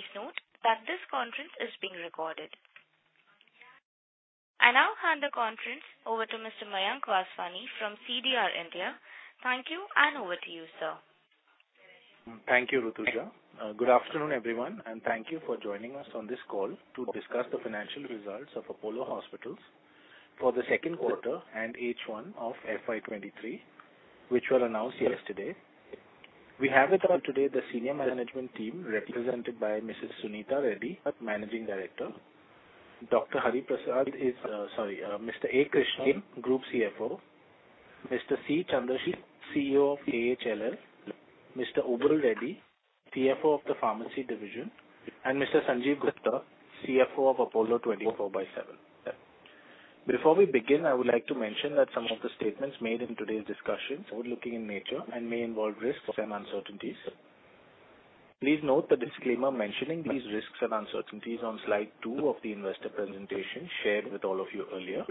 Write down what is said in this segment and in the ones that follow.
Please note that this conference is being recorded. I now hand the conference over to Mr. Mayank Vaswani from CDR India. Thank you, and over to you, sir. Thank you, Rutuja. Good afternoon, everyone, and thank you for joining us on this call to discuss the financial results of Apollo Hospitals for the second quarter and H1 of FY 2023, which were announced yesterday. We have with us today the senior management team represented by Mrs. Suneeta Reddy, Managing Director, Mr. A. Krishnan, Group CFO, Mr. C. Chandra Sekhar, CEO of AHLL, Mr. Obul Reddy, CFO of the Pharmacy Division, and Mr. Sanjiv Gupta, CFO of Apollo 24/7. Before we begin, I would like to mention that some of the statements made in today's discussion are forward-looking in nature and may involve risks and uncertainties. Please note the disclaimer mentioning these risks and uncertainties on slide 2 of the investor presentation shared with all of you earlier.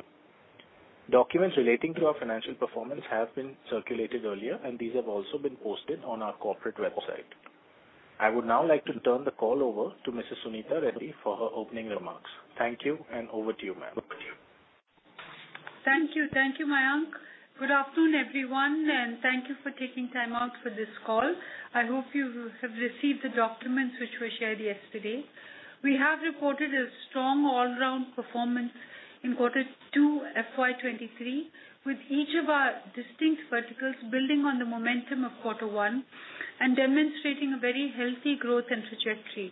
Documents relating to our financial performance have been circulated earlier, and these have also been posted on our corporate website. I would now like to turn the call over to Mrs. Suneeta Reddy for her opening remarks. Thank you, and over to you, ma'am. Thank you. Thank you, Mayank. Good afternoon, everyone, and thank you for taking time out for this call. I hope you have received the documents which were shared yesterday. We have reported a strong all-round performance in quarter two FY 2023, with each of our distinct verticals building on the momentum of quarter one and demonstrating a very healthy growth and trajectory.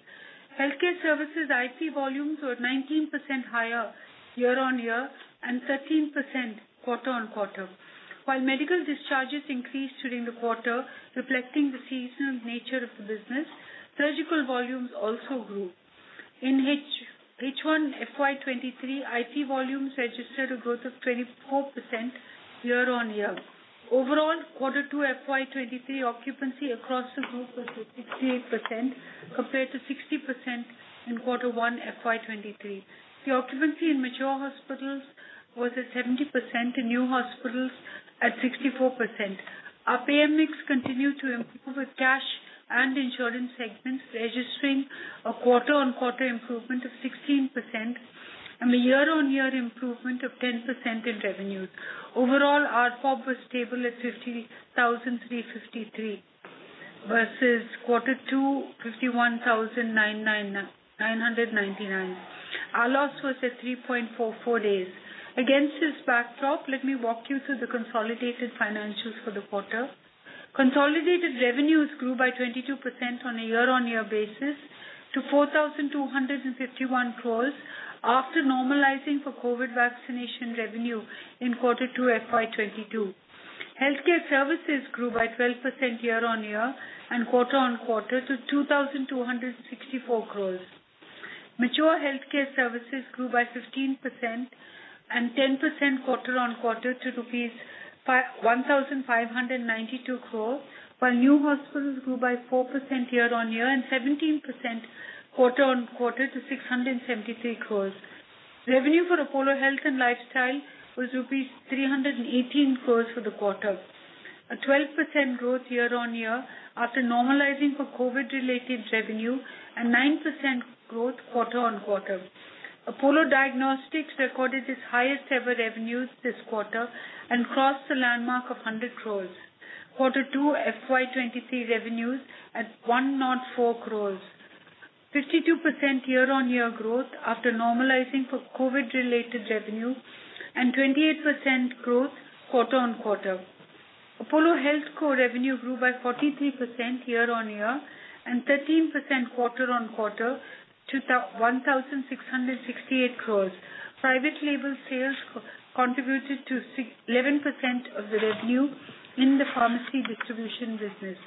Healthcare services IP volumes were 19% higher year-on-year and 13% quarter-on-quarter. While medical discharges increased during the quarter, reflecting the seasonal nature of the business, surgical volumes also grew. In H1 FY 2023, IP volumes registered a growth of 24% year-on-year. Overall, quarter two FY 2023 occupancy across the group was at 68% compared to 60% in quarter one FY 2023. The occupancy in mature hospitals was at 70%. In new hospitals, at 64%. Our pay mix continued to improve, with cash and insurance segments registering a quarter-on-quarter improvement of 16% and a year-on-year improvement of 10% in revenue. Overall, ARPOP was stable at 50,353, versus quarter two 51,999. ALOS was at 3.44 days. Against this backdrop, let me walk you through the consolidated financials for the quarter. Consolidated revenues grew by 22% on a year-on-year basis to 4,251 crore after normalizing for COVID vaccination revenue in quarter two FY 2022. Healthcare services grew by 12% year-on-year and quarter-on-quarter to 2,264 crore. Mature healthcare services grew by 15% and 10% quarter-on-quarter to rupees 1,592 crore, while new hospitals grew by 4% year-on-year and 17% quarter-on-quarter to 673 crore. Revenue for Apollo Health and Lifestyle was rupees 318 crore for the quarter. A 12% growth year-on-year after normalizing for COVID-related revenue and 9% growth quarter-on-quarter. Apollo Diagnostics recorded its highest ever revenues this quarter and crossed the landmark of 100 crore. Q2 FY 2023 revenues at 104 crore. 52% year-on-year growth after normalizing for COVID-related revenue and 28% growth quarter-on-quarter. Apollo HealthCo core revenue grew by 43% year-on-year and 13% quarter-on-quarter to 1,668 crore. Private label sales co-contributed to 11% of the revenue in the pharmacy distribution business.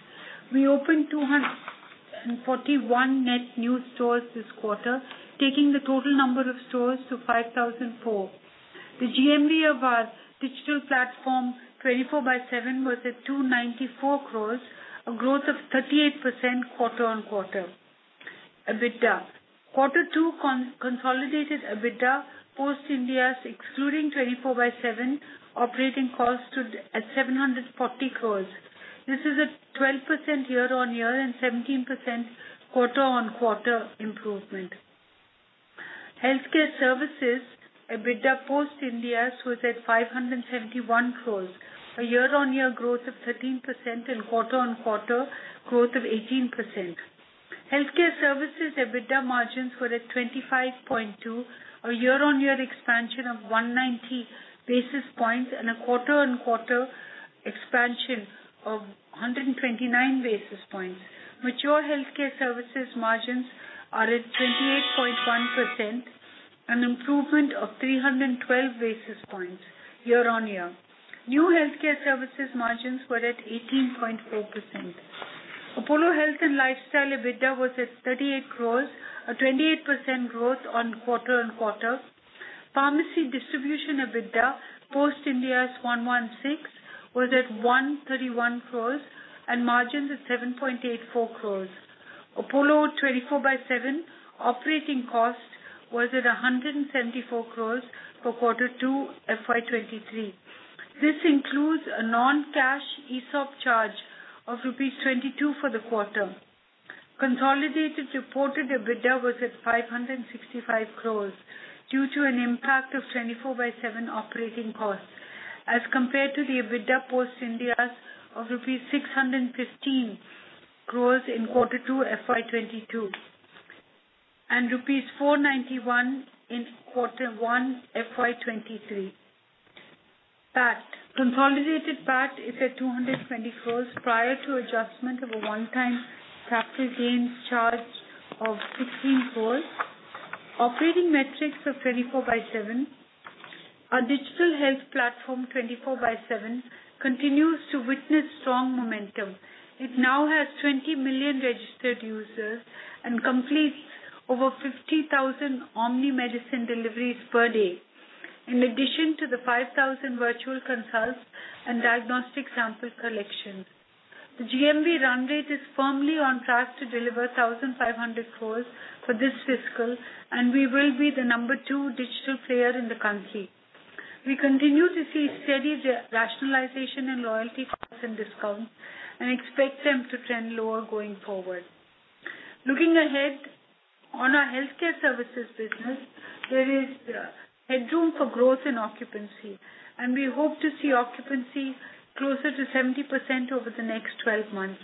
We opened 241 net new stores this quarter, taking the total number of stores to 5,004. The GMV of our digital platform, Apollo 24/7, was at 294 crore, a growth of 38% quarter-on-quarter. EBITDA. Q2 consolidated EBITDA, post Ind AS, excluding Apollo 24/7 operating costs, stood at 740 crore. This is a 12% year-on-year and 17% quarter-on-quarter improvement. Healthcare services EBITDA, post Ind AS, was at 571 crore, a year-on-year growth of 13% and quarter-on-quarter growth of 18%. Healthcare services EBITDA margins were at 25.2%, a year-on-year expansion of 190 basis points and a quarter-on-quarter expansion of 129 basis points. Mature healthcare services margins are at 28.1%, an improvement of 312 basis points year-on-year. New healthcare services margins were at 18.4%. Apollo Health and Lifestyle EBITDA was at 38 crore, a 28% growth on quarter-over-quarter. Pharmacy distribution EBITDA, post Ind AS 116, was at 131 crore and margins at 7.84%. Apollo 24/7 operating cost was at 174 crore for quarter two FY 2023. This includes a non-cash ESOP charge of rupees 22 for the quarter. Consolidated reported EBITDA was at 565 crore due to an impact of Apollo 24/7 operating costs as compared to the EBITDA post Ind AS of rupees 615 crore in quarter two FY 2022, and rupees 491 crore in quarter one FY 2023. PAT. Consolidated PAT is at 220 crore prior to adjustment of a one-time tax gains charge of 16 crore. Operating metrics for Apollo 24/7. Our digital health platform, Apollo 24/7, continues to witness strong momentum. It now has 20 million registered users and completes over 50,000 omnichannel medicine deliveries per day. In addition to the 5,000 virtual consults and diagnostic sample collections. The GMV run rate is firmly on track to deliver 1,500 crore for this fiscal, and we will be the number two digital player in the country. We continue to see steady rationalization in loyalty costs and discounts, and expect them to trend lower going forward. Looking ahead on our healthcare services business, there is headroom for growth in occupancy, and we hope to see occupancy closer to 70% over the next 12 months.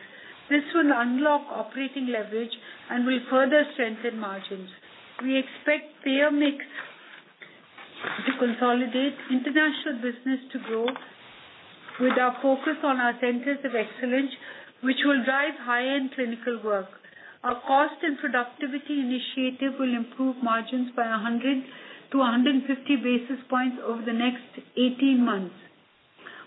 This will unlock operating leverage and will further strengthen margins. We expect payer mix to consolidate, international business to grow with our focus on our centers of excellence, which will drive high-end clinical work. Our cost and productivity initiative will improve margins by 100-150 basis points over the next 18 months.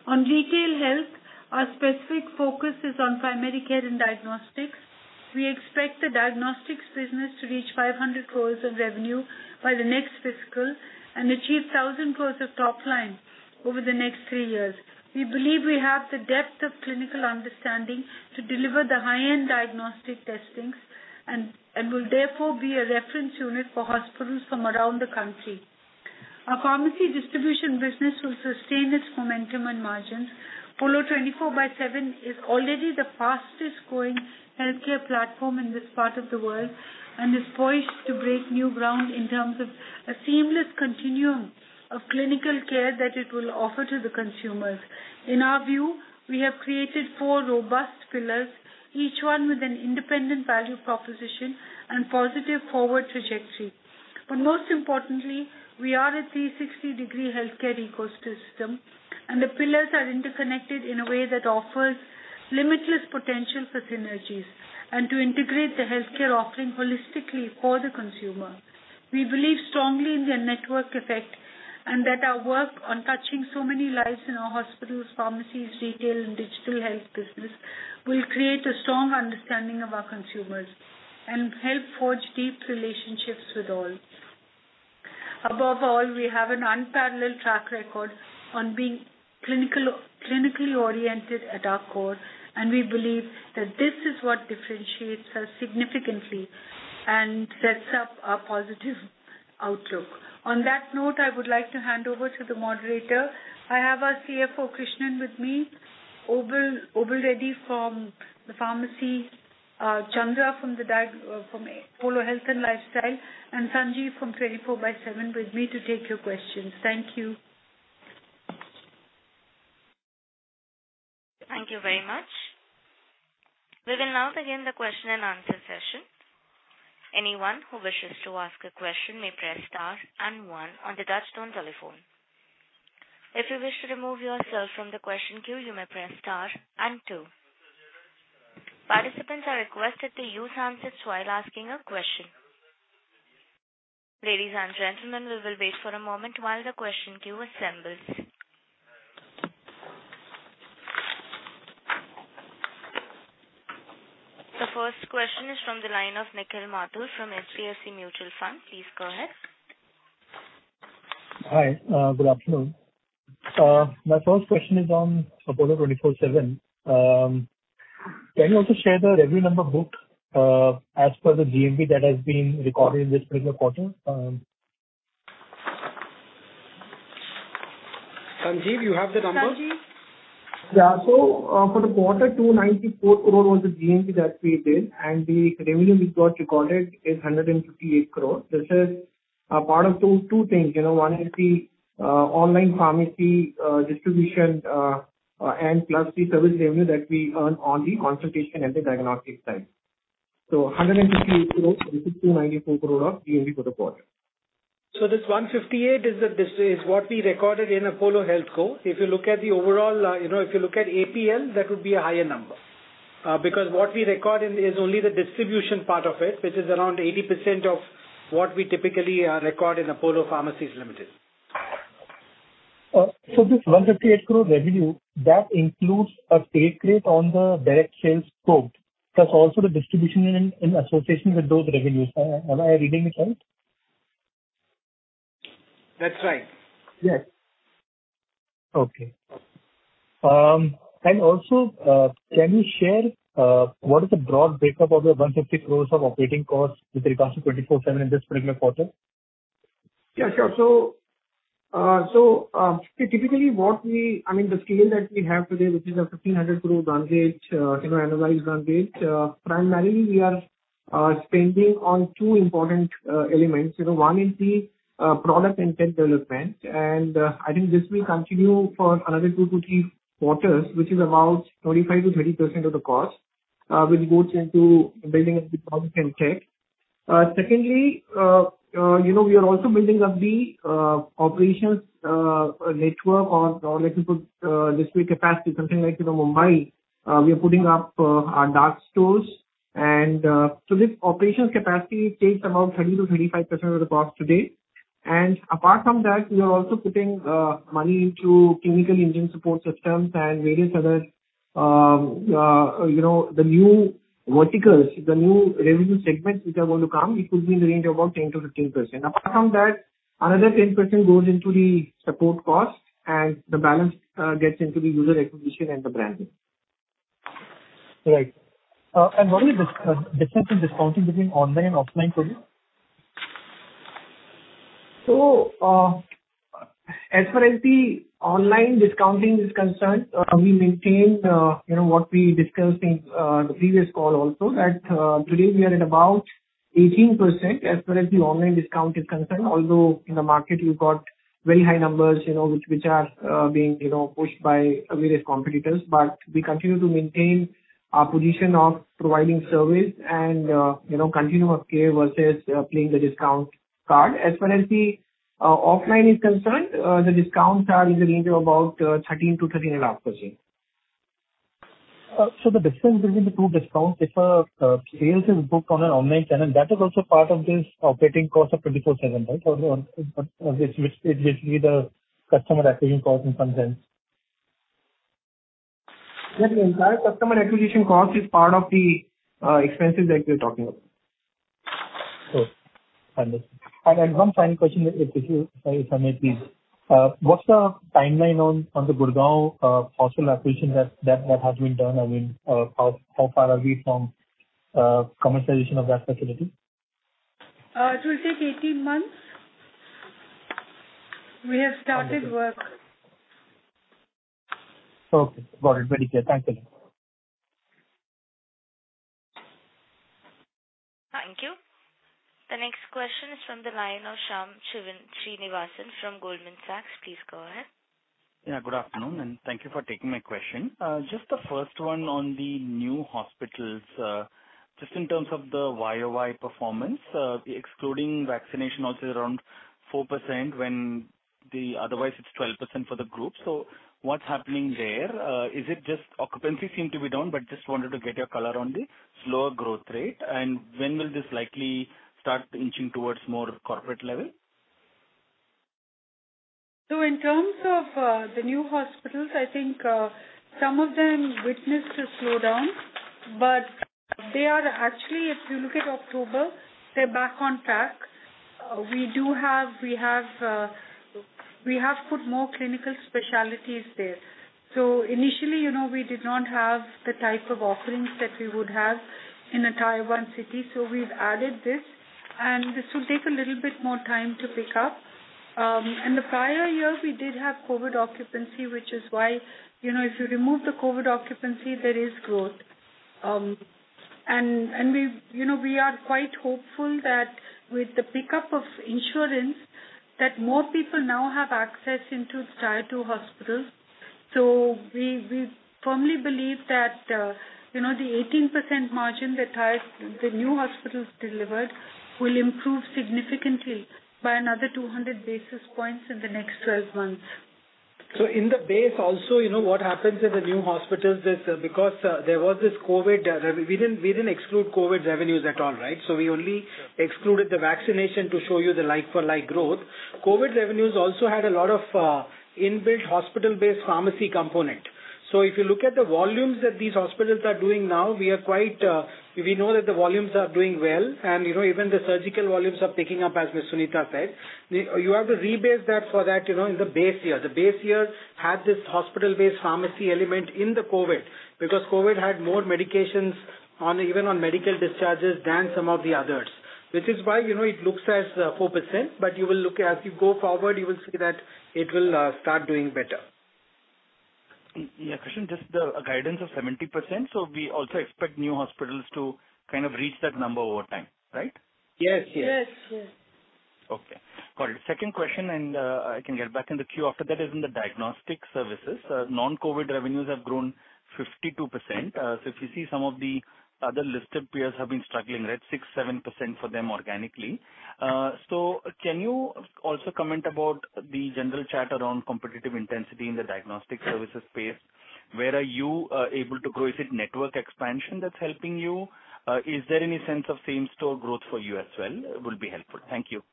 On retail health, our specific focus is on primary care and diagnostics. We expect the diagnostics business to reach 500 crore of revenue by the next fiscal and achieve 1,000 crore of top line over the next 3 years. We believe we have the depth of clinical understanding to deliver the high-end diagnostic testing and will therefore be a reference unit for hospitals from around the country. Our pharmacy distribution business will sustain its momentum and margins. Apollo 24/7 is already the fastest-growing healthcare platform in this part of the world and is poised to break new ground in terms of a seamless continuum of clinical care that it will offer to the consumers. In our view, we have created four robust pillars, each one with an independent value proposition and positive forward trajectory. Most importantly, we are a 360-degree healthcare ecosystem, and the pillars are interconnected in a way that offers limitless potential for synergies and to integrate the healthcare offering holistically for the consumer. We believe strongly in their network effect and that our work on touching so many lives in our hospitals, pharmacies, retail and digital health business will create a strong understanding of our consumers and help forge deep relationships with all. Above all, we have an unparalleled track record on being clinical, clinically oriented at our core, and we believe that this is what differentiates us significantly and sets up a positive outlook. On that note, I would like to hand over to the moderator. I have our CFO, A. Krishnan, with me. Obul Reddy from the pharmacy, Chandra Sekhar from Apollo Health and Lifestyle, and Sanjiv from Apollo 24/7 with me to take your questions. Thank you. Thank you very much. We will now begin the question and answer session. Anyone who wishes to ask a question may press star and one on the touchtone telephone. If you wish to remove yourself from the question queue, you may press star and two. Participants are requested to use handsets while asking a question. Ladies and gentlemen, we will wait for a moment while the question queue assembles. The first question is from the line of Nikhil Mathur from HDFC Mutual Fund. Please go ahead. Hi. Good afternoon. My first question is on Apollo 24/7. Can you also share the revenue number booked as per the GMV that has been recorded in this particular quarter? Sanjiv, you have the number? Sanjiv? Yeah. For quarter two, 294 crore was the GMV that we did, and the revenue which got recorded is 158 crore. This is a part of those two things. You know, one is the online pharmacy distribution and plus the service revenue that we earn on the consultation and the diagnostic side. 158 crore versus 294 crore of GMV for the quarter. This 158 is what we recorded in Apollo HealthCo. If you look at the overall, if you look at APL, that would be a higher number. Because what we record in is only the distribution part of it, which is around 80% of what we typically record in Apollo Pharmacies Limited. This 158 crore revenue, that includes a take rate on the direct sales scope, plus also the distribution in association with those revenues. Am I reading it right? That's right. Yes. Can you share what is the broad breakup of the 150 crore of operating costs with regards to Apollo 24/7 in this particular quarter? Yeah, sure. Typically, I mean, the scale that we have today, which is an 1,500 crore run rate, you know, annualized run rate, primarily we are spending on two important elements. You know, one is the product and tech development, and I think this will continue for another two to three quarters, which is about 25%-30% of the cost, which goes into building up the product and tech. Secondly, you know, we are also building up the operations network or let me put it this way, capacity. Something like, you know, Mumbai, we are putting up our dark stores, and so this operations capacity takes around 20%-25% of the cost today. Apart from that, we are also putting money into clinical engine support systems and various other, you know, the new verticals, the new revenue segments which are going to come, it could be in the range of about 10%-15%. Apart from that, another 10% goes into the support costs, and the balance gets into the user acquisition and the branding. Right. What is the difference in discounting between online and offline for you? As far as the online discounting is concerned, we maintain, you know, what we discussed in the previous call also, that today we are at about 18% as far as the online discount is concerned, although in the market you've got very high numbers, you know, which are being, you know, pushed by various competitors. We continue to maintain our position of providing service and, you know, continue our care versus playing the discount card. As far as the offline is concerned, the discounts are in the range of about 13%-13.5%. The difference between the two discounts, if sales is booked on an online channel, that is also part of this operating cost of 24/7, right? Which is basically the customer acquisition cost in some sense. Yeah. The entire customer acquisition cost is part of the expenses that we're talking about. Sure. Understood. One final question, if I may please. What's the timeline on the Gurgaon hospital acquisition that has been done? I mean, how far are we from commercialization of that facility? It will take 18 months. We have started work. Okay. Got it. Very clear. Thank you. Thank you. The next question is from the line of Shyam Srinivasan from Goldman Sachs. Please go ahead. Yeah, good afternoon, and thank you for taking my question. Just the first one on the new hospitals. Just in terms of the YoY performance, excluding vaccination also around 4% when otherwise it's 12% for the group. So what's happening there? Is it just occupancy seem to be down, but just wanted to get your color on the slower growth rate. When will this likely start inching towards more corporate level? In terms of the new hospitals, I think some of them witnessed a slowdown, but they are actually, if you look at October, they're back on track. We have put more clinical specialties there. Initially, you know, we did not have the type of offerings that we would have in a Tier-One city. We've added this, and this will take a little bit more time to pick up. In the prior year we did have COVID occupancy, which is why, you know, if you remove the COVID occupancy, there is growth. And we, you know, we are quite hopeful that with the pickup of insurance, that more people now have access into Tier 2 hospitals. We firmly believe that, you know, the 18% margin the new hospitals delivered will improve significantly by another 200 basis points in the next 12 months. In the base also, you know, what happens in the new hospitals is because there was this COVID, we didn't exclude COVID revenues at all, right? We only excluded the vaccination to show you the like-for-like growth. COVID revenues also had a lot of inbuilt hospital-based pharmacy component. If you look at the volumes that these hospitals are doing now, we are quite. We know that the volumes are doing well and, you know, even the surgical volumes are picking up, as Ms. Suneeta said. You have to rebase that for that, you know, in the base year. The base year had this hospital-based pharmacy element in the COVID because COVID had more medications on, even on medical discharges than some of the others. Which is why, you know, it looks like 4%, but as you go forward, you will see that it will start doing better. Yeah, Krishnan, just the guidance of 70%. We also expect new hospitals to kind of reach that number over time, right? Yes, yes. Yes, yes. Okay. Got it. Second question, and I can get back in the queue after that, is in the diagnostic services. Non-COVID revenues have grown 52%. So if you see some of the other listed peers have been struggling at 6%, 7% for them organically. So can you also comment about the general chat around competitive intensity in the diagnostic services space? Where are you able to grow? Is it network expansion that's helping you? Is there any sense of same-store growth for you as well? Would be helpful. Thank you.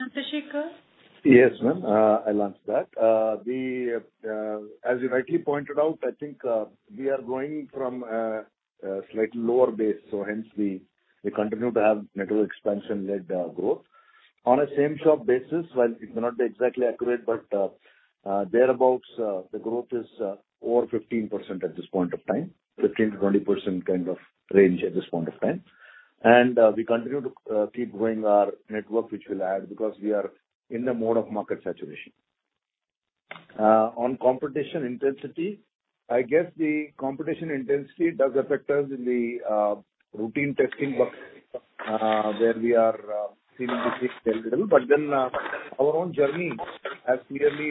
Mr. Sekhar? Yes, ma'am. I'll answer that. As you rightly pointed out, I think we are growing from a slightly lower base, so hence we continue to have network expansion-led growth. On a same-store basis, while it may not be exactly accurate, but thereabouts, the growth is over 15% at this point of time, 15%-20% kind of range at this point of time. We continue to keep growing our network, which we'll add because we are in the mode of market saturation. On competition intensity, I guess the competition intensity does affect us in the routine testing box, where we are seeing. Our own journey has clearly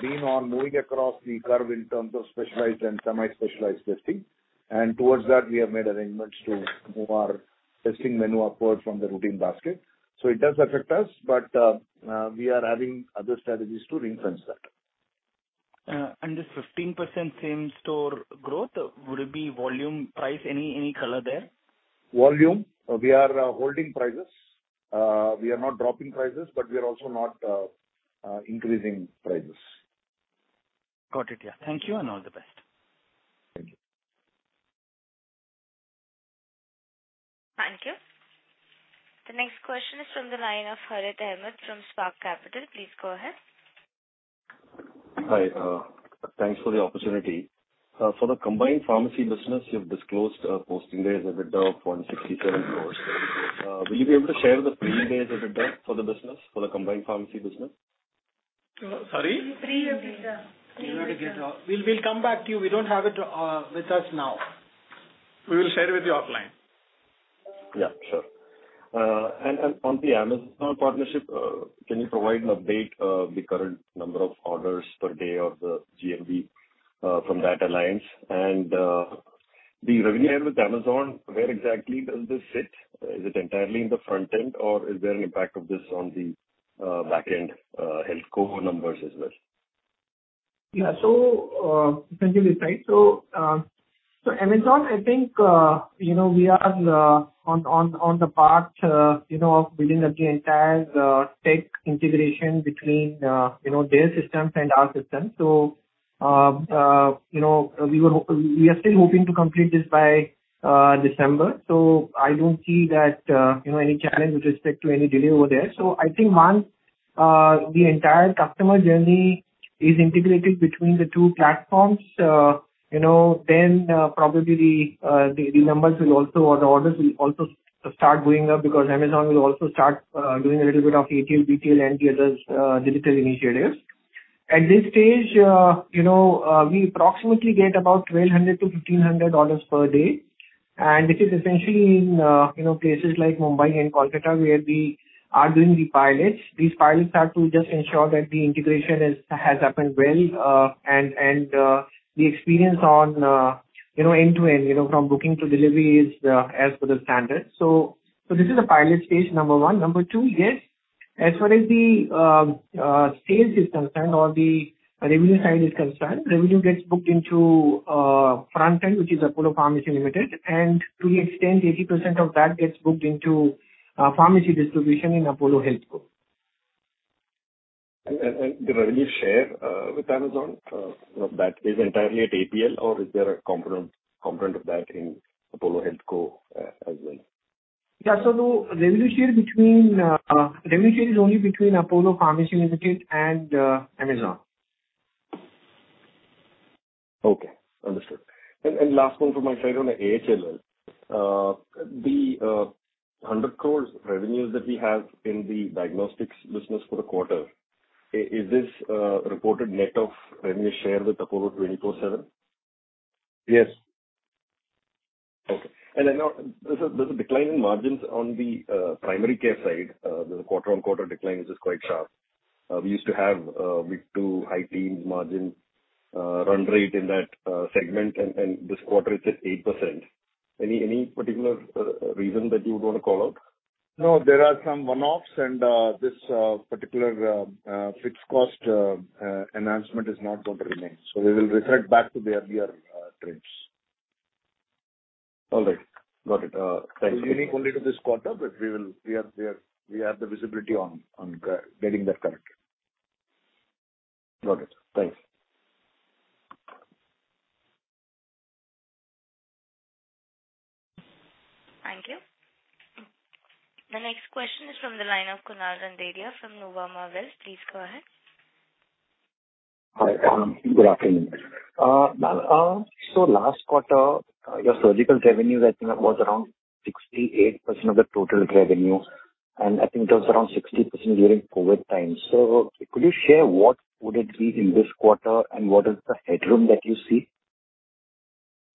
been on moving across the curve in terms of specialized and semi-specialized testing. Towards that, we have made arrangements to move our testing menu upward from the routine basket. It does affect us, but we are adding other strategies to influence that. This 15% same-store growth, would it be volume, price, any color there? Volume. We are holding prices. We are not dropping prices, but we are also not increasing prices. Got it. Yeah. Thank you and all the best. Thank you. Thank you. The next question is from the line of Harith Ahamed from Spark Capital. Please go ahead. Hi. Thanks for the opportunity. For the combined pharmacy business, you've disclosed posting the EBITDA of 167 crore. Will you be able to share the pre-EBITDA for the business, for the combined pharmacy business? Sorry. Pre-EBITDA. We'll come back to you. We don't have it with us now. We will share it with you offline. Yeah, sure. On the Amazon partnership, can you provide an update of the current number of orders per day of the GMV from that alliance? The revenue share with Amazon, where exactly does this sit? Is it entirely in the front end, or is there an impact of this on the back end, HealthCo numbers as well? Essentially, right. Amazon, I think, you know, we are on the path, you know, of building up the entire tech integration between, you know, their systems and our systems. We are still hoping to complete this by December, so I don't see that, you know, any challenge with respect to any delay over there. I think once the entire customer journey is integrated between the two platforms, you know, then probably the numbers will also or the orders will also start going up because Amazon will also start doing a little bit of ATL, BTL and the other digital initiatives. At this stage, you know, we approximately get about 1,200-1,500 orders per day, and this is essentially in, you know, places like Mumbai and Kolkata, where we are doing the pilots. These pilots have to just ensure that the integration has happened well, and the experience on, you know, end-to-end, you know, from booking to delivery is, as per the standard. This is a pilot stage, number one. Number two, yes, as far as the sales is concerned or the revenue side is concerned, revenue gets booked into front end, which is Apollo Pharmacy Limited, and to the extent 80% of that gets booked into pharmacy distribution in Apollo HealthCo. The revenue share with Amazon, that is entirely at APL or is there a component of that in Apollo HealthCo as well? The revenue share is only between Apollo Pharmacy Limited and Amazon. Okay. Understood. Last one from my side on the AHLL. The 100 crore revenues that we have in the diagnostics business for the quarter, is this reported net of revenue share with Apollo 24/7? Yes. Okay. There's a decline in margins on the primary care side. The quarter-on-quarter decline is just quite sharp. We used to have mid- to high-teens% margin run rate in that segment, and this quarter it's at 8%. Any particular reason that you would wanna call out? No, there are some one-offs and this particular fixed cost enhancement is not going to remain. We will revert back to the earlier trends. All right. Got it. Thank you. It's unique only to this quarter, but we have the visibility on getting that correct. Got it. Thanks. Thank you. The next question is from the line of Kunal Randeria from Nuvama Wealth. Please go ahead. Hi. Good afternoon. Last quarter, your surgical revenue I think was around 68% of the total revenue, and I think it was around 60% during COVID time. Could you share what would it be in this quarter and what is the headroom that you see?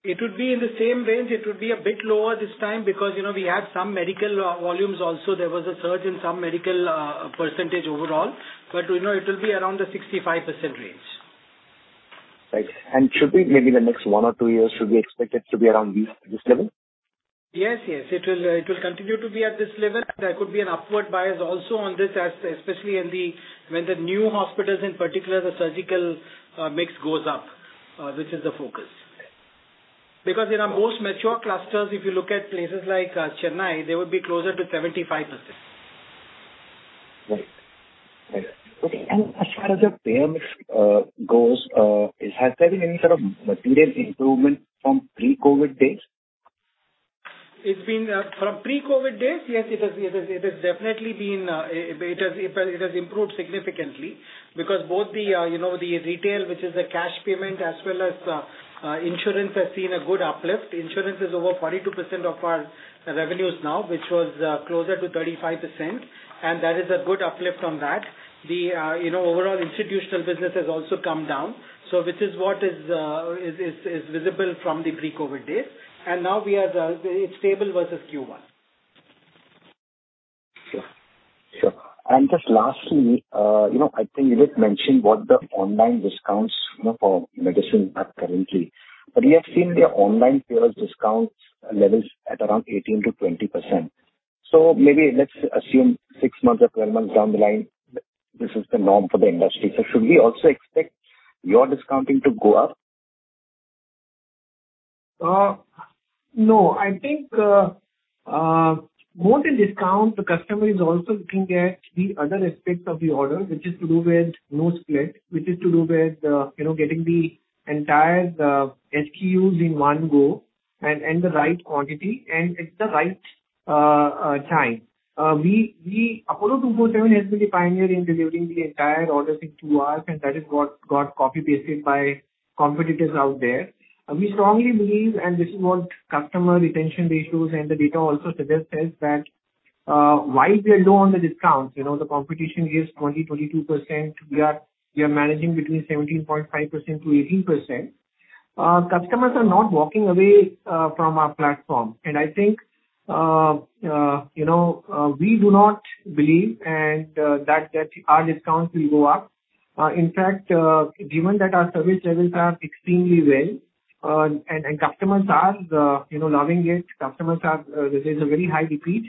It would be in the same range. It would be a bit lower this time because, you know, we had some medical volumes also. There was a surge in some medical percentage overall, but, you know, it will be around the 65% range. Right. Should we, maybe the next one or two years, expect it to be around this level? Yes, yes. It will continue to be at this level. There could be an upward bias also on this as, especially when the new hospitals, in particular, the surgical mix goes up, which is the focus. Because in our most mature clusters, if you look at places like Chennai, they would be closer to 75%. Right. Okay. As far as your payment goes, has there been any sort of material improvement from pre-COVID days? It's been from pre-COVID days. Yes, it has definitely been. It has improved significantly because both the, you know, the retail, which is the cash payment as well as insurance has seen a good uplift. Insurance is over 42% of our revenues now, which was closer to 35%. That is a good uplift on that. The, you know, overall institutional business has also come down. This is what is visible from the pre-COVID days. Now we are, it's stable versus Q1. Sure. Just lastly, you know, I think you did mention what the online discounts, you know, for medicine are currently. We have seen their online players discount levels at around 18%-20%. Maybe let's assume 6 months or 12 months down the line, this is the norm for the industry. Should we also expect your discounting to go up? No. I think, more than discount, the customer is also looking at the other aspects of the order, which is to do with no split, which is to do with, you know, getting the entire SKUs in one go and the right quantity, and at the right time. We Apollo 24/7 has been a pioneer in delivering the entire order in two hours, and that is what got copy-pasted by competitors out there. We strongly believe, and this is what customer retention ratios and the data also suggests is that, while we are low on the discounts, you know, the competition gives 22%. We are managing between 17.5%-18%. Customers are not walking away from our platform. I think, you know, we do not believe that our discounts will go up. In fact, given that our service levels are extremely well, and customers are, you know, loving it, there is a very high repeat.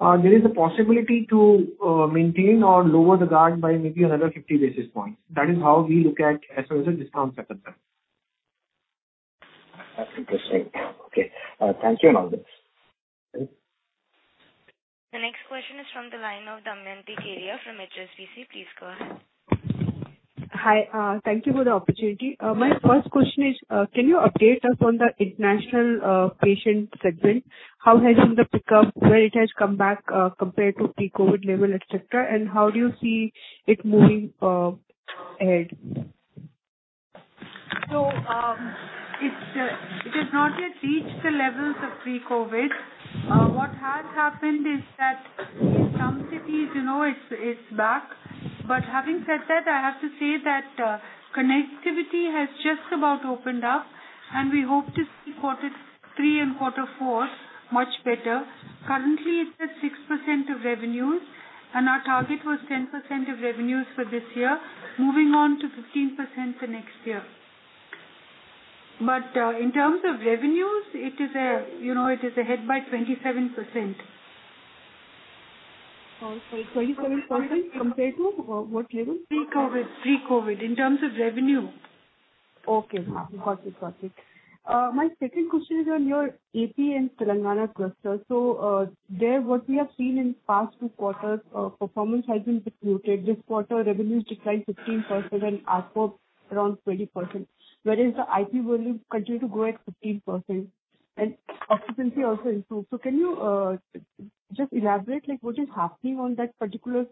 There is a possibility to maintain or lower the guard by maybe another 50 basis points. That is how we look at as well as a discounts are concerned. That's interesting. Okay. Thank you, and all the best. The next question is from the line of Damayanti Kerai from HSBC. Please go ahead. Hi. Thank you for the opportunity. My first question is, can you update us on the international patient segment? How has been the pickup, where it has come back, compared to pre-COVID level, et cetera, and how do you see it moving ahead? It has not yet reached the levels of pre-COVID. What has happened is that in some cities, you know, it's back. Having said that, I have to say that connectivity has just about opened up, and we hope to see quarter three and quarter four much better. Currently, it's at 6% of revenues, and our target was 10% of revenues for this year, moving on to 15% the next year. In terms of revenues, it is, you know, ahead by 27%. Oh, sorry, 27% compared to what level? Pre-COVID in terms of revenue. Okay. Got it. My second question is on your AP and Telangana cluster. There, what we have seen in past two quarters, performance has been depleted. This quarter revenue declined 15% and ARPO around 20%, whereas the IP volume continued to grow at 15% and occupancy also improved. Can you just elaborate, like, what is happening on that particular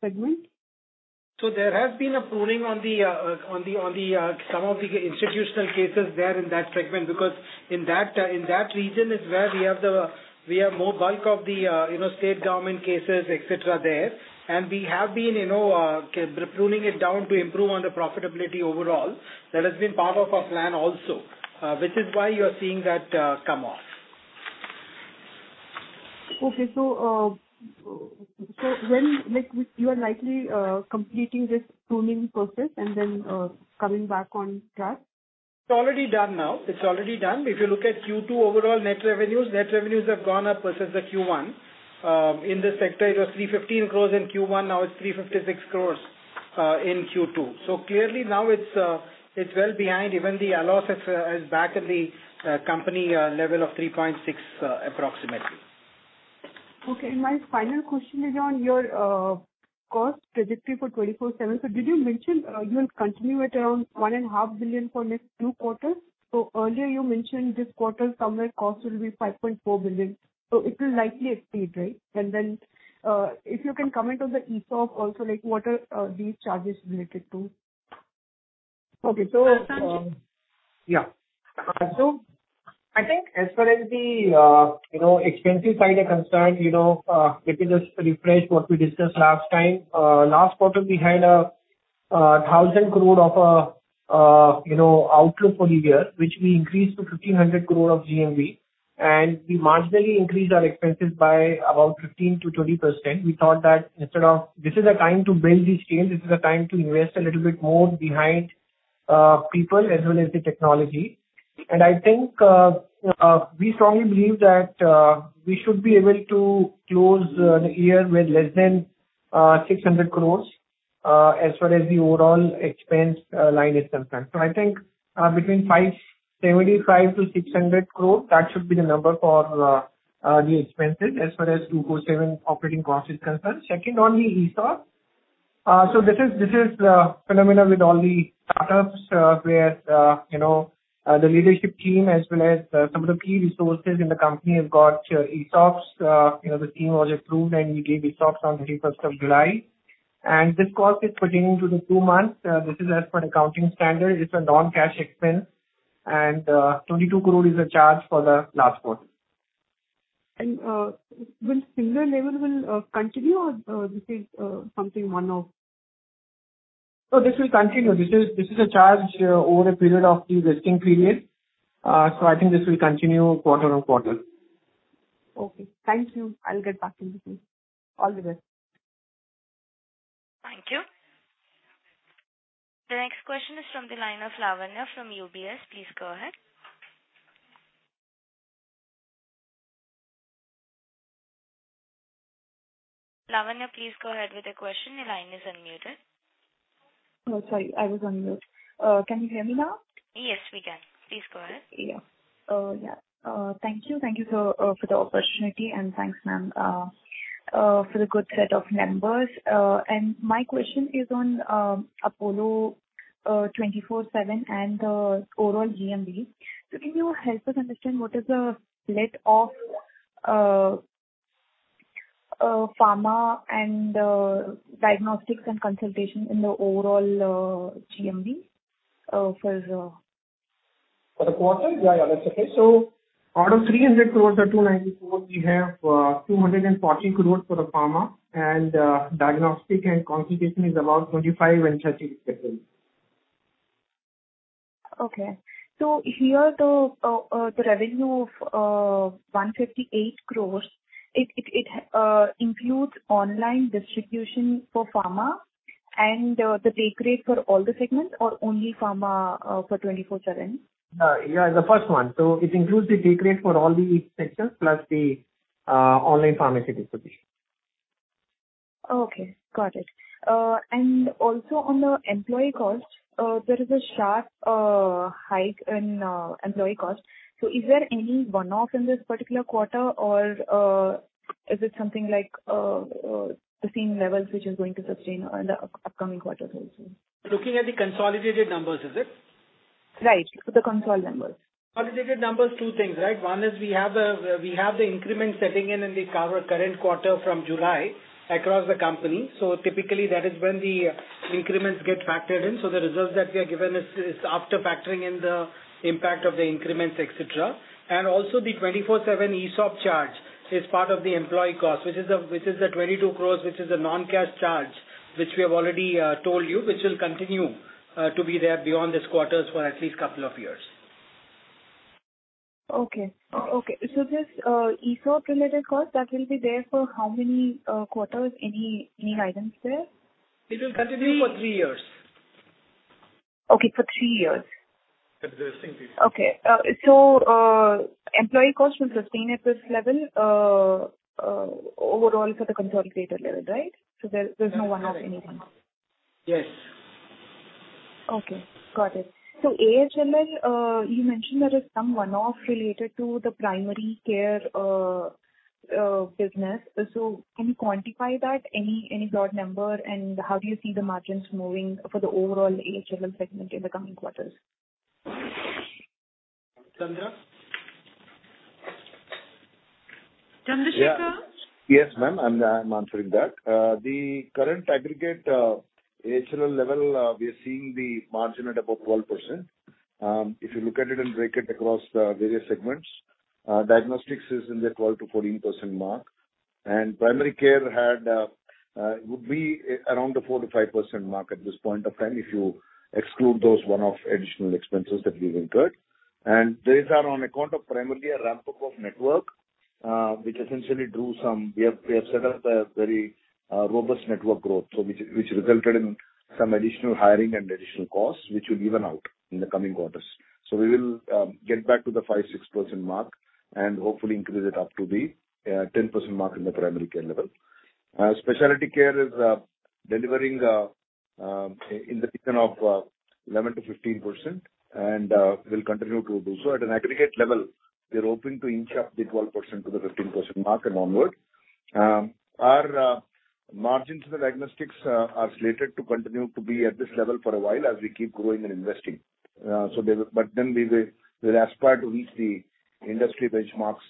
segment? There has been a pruning of some of the institutional cases there in that segment because in that region is where we have more bulk of the you know state government cases, et cetera, there. We have been you know pruning it down to improve on the profitability overall. That has been part of our plan also, which is why you're seeing that come off. Okay. When, like, you are likely completing this pruning process and then coming back on track? It's already done now. If you look at Q2 overall net revenues, net revenues have gone up versus the Q1. In this sector it was 315 crore in Q1, now it's 356 crore in Q2. Clearly, now it's well behind. Even the losses is back at the company level of 3.6% approximately. Okay. My final question is on your cost trajectory for Apollo 24/7. Did you mention you will continue at around 1.5 billion for next two quarters? Earlier you mentioned this quarter the cost will be 5.4 billion, so it will likely exceed, right? Then if you can comment on the ESOP also, like what are these charges related to? Okay. Sanjiv? So I think as far as the expense side is concerned, you know, let me just refresh what we discussed last time. Last quarter we had 1,000 crore of outflow for the year, which we increased to 1,500 crore of GMV. We marginally increased our expenses by about 15%-20%. We thought that. This is a time to build these teams, this is a time to invest a little bit more behind people as well as the technology. I think we strongly believe that we should be able to close the year with less than 600 crore. As far as the overall expense line is concerned. I think between 575-600 crore that should be the number for the expenses as far as 24/7 operating cost is concerned. Checking on the ESOP. This is a phenomenon with all the startups where you know the leadership team as well as some of the key resources in the company have got ESOPs. You know the team was approved and we gave ESOPs on thirty-first of July. This cost is putting into the two months. This is as per the accounting standard. It's a non-cash expense. Twenty-two crore is a charge for the last quarter. Will similar level continue or this is something one-off? This will continue. This is a charge over a period of the vesting period. I think this will continue quarter on quarter. Okay. Thank you. I'll get back in touch. All the best. Thank you. The next question is from the line of Lavanya from UBS. Please go ahead. Lavanya, please go ahead with the question. Your line is unmuted. Oh, sorry. I was on mute. Can you hear me now? Yes, we can. Please go ahead. Thank you. Thank you so for the opportunity and thanks, ma'am, for the good set of numbers. My question is on Apollo 24/7 and overall GMV. Can you help us understand what is the split of pharma and diagnostics and consultation in the overall GMV for the. For the quarter? Yeah, yeah. That's okay. Out of INR 300 crore or INR 294 crore, we have INR 240 crore for the pharma and diagnostic and consultation is about INR 25 crore and INR 30 crore separately. Okay. Here, the revenue of INR 158 crore, it includes online distribution for pharma and the take rate for all the segments or only pharma for Apollo 24/7? Yeah. The first one. It includes the take rate for all the sectors, plus the online pharmacy distribution. Okay. Got it. On the employee cost, there is a sharp hike in employee cost. Is there any one-off in this particular quarter or is it something like the same levels which is going to sustain on the upcoming quarters also? Looking at the consolidated numbers, is it? Right. For the consolidated numbers. Consolidated numbers, two things, right? One is we have the increment setting in the current quarter from July across the company. Typically that is when the increments get factored in. The results that we are given is after factoring in the impact of the increments, et cetera. Also the 24/7 ESOP charge is part of the employee cost, which is a 22 crore, which is a non-cash charge, which we have already told you, which will continue to be there beyond this quarter's for at least a couple of years. This ESOP related cost, that will be there for how many quarters? Any guidance there? It will continue for three years. Okay. For three years. At the vesting period. Okay. Employee cost will sustain at this level, overall for the consolidated level, right? There's no one-off, any one-off. Yes. Okay. Got it. AHLL, you mentioned there is some one-off related to the primary care business. Can you quantify that? Any broad number and how do you see the margins moving for the overall AHLL segment in the coming quarters? Chandra? Chandra Sekhar? Yes, ma'am. I'm answering that. The current aggregate AHLL level, we are seeing the margin at above 12%. If you look at it and break it across the various segments, diagnostics is in the 12%-14% mark. Primary care would be around the 4%-5% mark at this point of time if you exclude those one-off additional expenses that we've incurred. These are on account of primarily a ramp-up of network. We have set up a very robust network growth, which resulted in some additional hiring and additional costs which will even out in the coming quarters. We will get back to the 5%-6% mark and hopefully increase it up to the 10% mark in the primary care level. Specialty care is delivering in the region of 11%-15% and will continue to do so. At an aggregate level, we are open to inch up to the 12%-15% mark and onward. Our margins in the diagnostics are slated to continue to be at this level for a while as we keep growing and investing. We will aspire to reach the industry benchmarks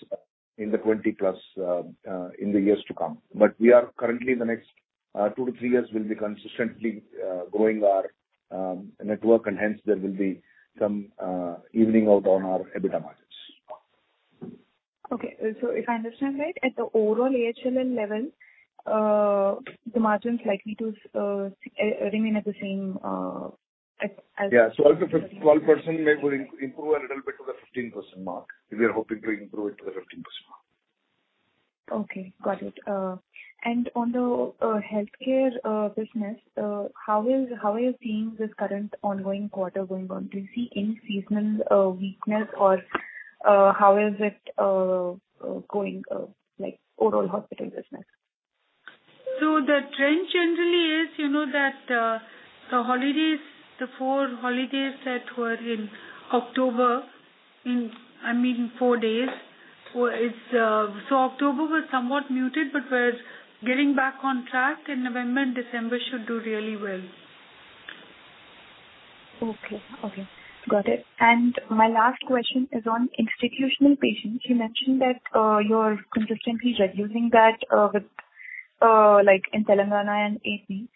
in the 20%+ in the years to come. We are currently in the next 2-3 years will be consistently growing our network and hence there will be some evening out on our EBITDA margins. Okay. If I understand right, at the overall AHLL level, the margin's likely to remain at the same? Yeah. Up to 12% maybe will improve a little bit to the 15% mark. We are hoping to improve it to the 15% mark. Okay. Got it. On the healthcare business, how are you seeing this current ongoing quarter going on? Do you see any seasonal weakness or how is it going like overall hospital business? The trend generally is, you know, that the holidays, the four holidays that were in October, I mean four days. October was somewhat muted, but we're getting back on track, and November and December should do really well. Okay. Okay. Got it. My last question is on institutional patients. You mentioned that you're consistently reducing that with like in Telangana and AP.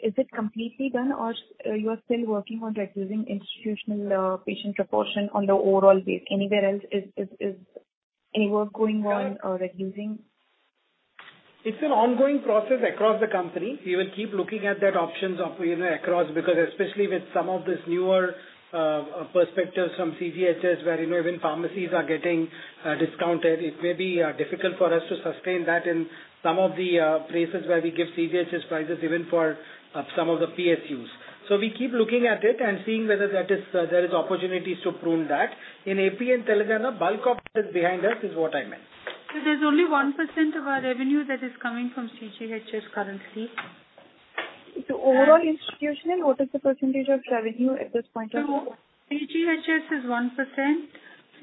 Is it completely done or you are still working on reducing institutional patient proportion on the overall base? Anywhere else is any work going on or reducing? It's an ongoing process across the company. We will keep looking at those options of, you know, across because especially with some of these newer perspectives from CGHS, where, you know, even pharmacies are getting discounted. It may be difficult for us to sustain that in some of the places where we give CGHS prices even for some of the PSUs. We keep looking at it and seeing whether there is opportunities to prune that. In AP and Telangana, bulk of this behind us is what I meant. There's only 1% of our revenue that is coming from CGHS currently. The overall institutional, what is the percentage of revenue at this point of time? CGHS is 1%.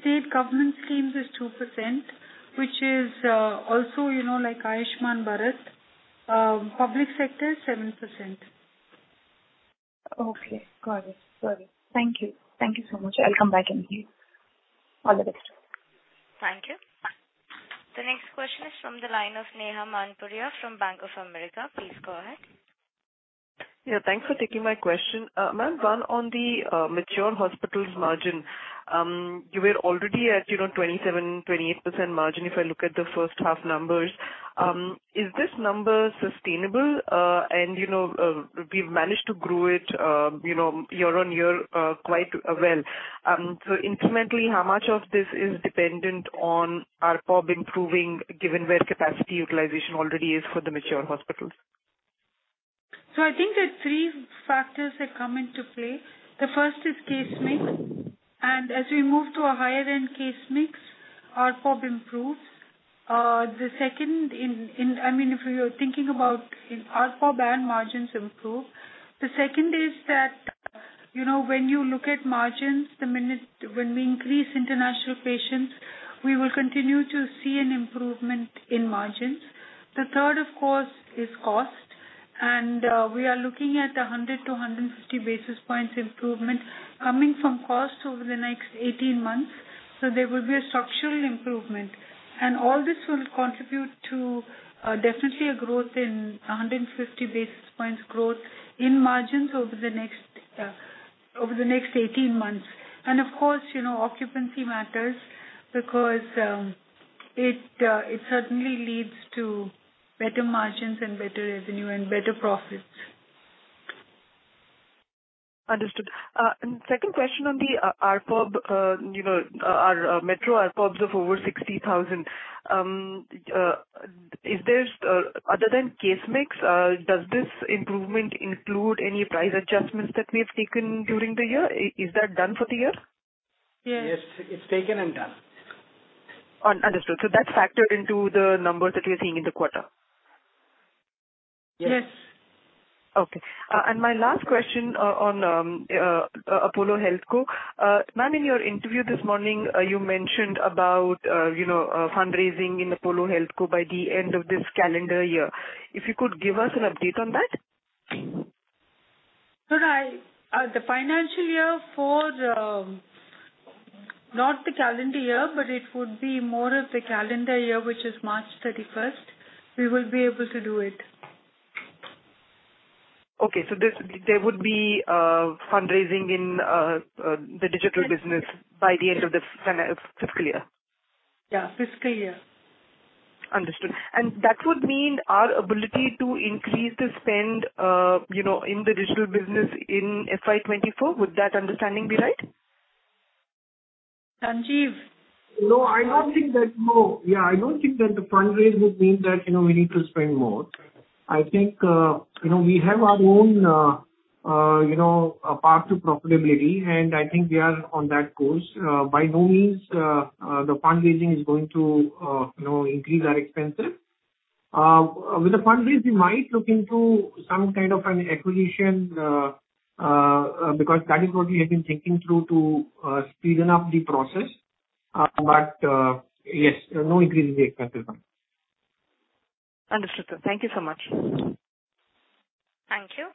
State government schemes is 2%, which is also, you know, like Ayushman Bharat. Public sector, 7%. Okay. Got it. Thank you. Thank you so much. I'll come back in case. All the best. Thank you. The next question is from the line of Neha Manpuria from Bank of America. Please go ahead. Yeah, thanks for taking my question. Ma'am, one on the mature hospitals margin. You were already at, you know, 27%-28% margin, if I look at the first half numbers. Is this number sustainable? You know, we've managed to grow it, you know, year-on-year, quite well. Incrementally, how much of this is dependent on ARPB improving, given where capacity utilization already is for the mature hospitals? I think there are three factors that come into play. The first is case mix. As we move to a higher end case mix, ARPOB improves. The second, I mean, if you're thinking about in ARPOB and margins improve. The second is that, when you look at margins, when we increase international patients, we will continue to see an improvement in margins. The third, of course, is cost. We are looking at 100 to 150 basis points improvement coming from cost over the next 18 months. There will be a structural improvement. All this will contribute to, definitely a growth in 150 basis points growth in margins over the next 18 months. Of course, you know, occupancy matters because it certainly leads to better margins and better revenue and better profits. Understood. And second question on the ARPOB, you know, our metro ARPOB of over 60,000. Is there, other than case mix, does this improvement include any price adjustments that we have taken during the year? Is that done for the year? Yes. Yes, it's taken and done. Understood. That's factored into the numbers that we are seeing in the quarter. Yes. Yes. Okay. My last question on Apollo HealthCo. Ma'am, in your interview this morning, you mentioned about, you know, fundraising in Apollo HealthCo by the end of this calendar year. If you could give us an update on that. Sure. The financial year. Not the calendar year, but it would be more of the calendar year, which is March 31st, we will be able to do it. There would be fundraising in the digital business by the end of this fiscal year. Yeah, fiscal year. Understood. That would mean our ability to increase the spend, you know, in the digital business in FY 2024. Would that understanding be right? SanjIv? No, I don't think that the fundraise would mean that, you know, we need to spend more. I think, you know, we have our own, you know, path to profitability, and I think we are on that course. By no means, the fundraising is going to, you know, increase our expenses. With the fundraise, we might look into some kind of an acquisition, because that is what we have been thinking through to speed up the process. Yes, no increase in the expenses, ma'am. Understood, sir. Thank you so much. Thank you.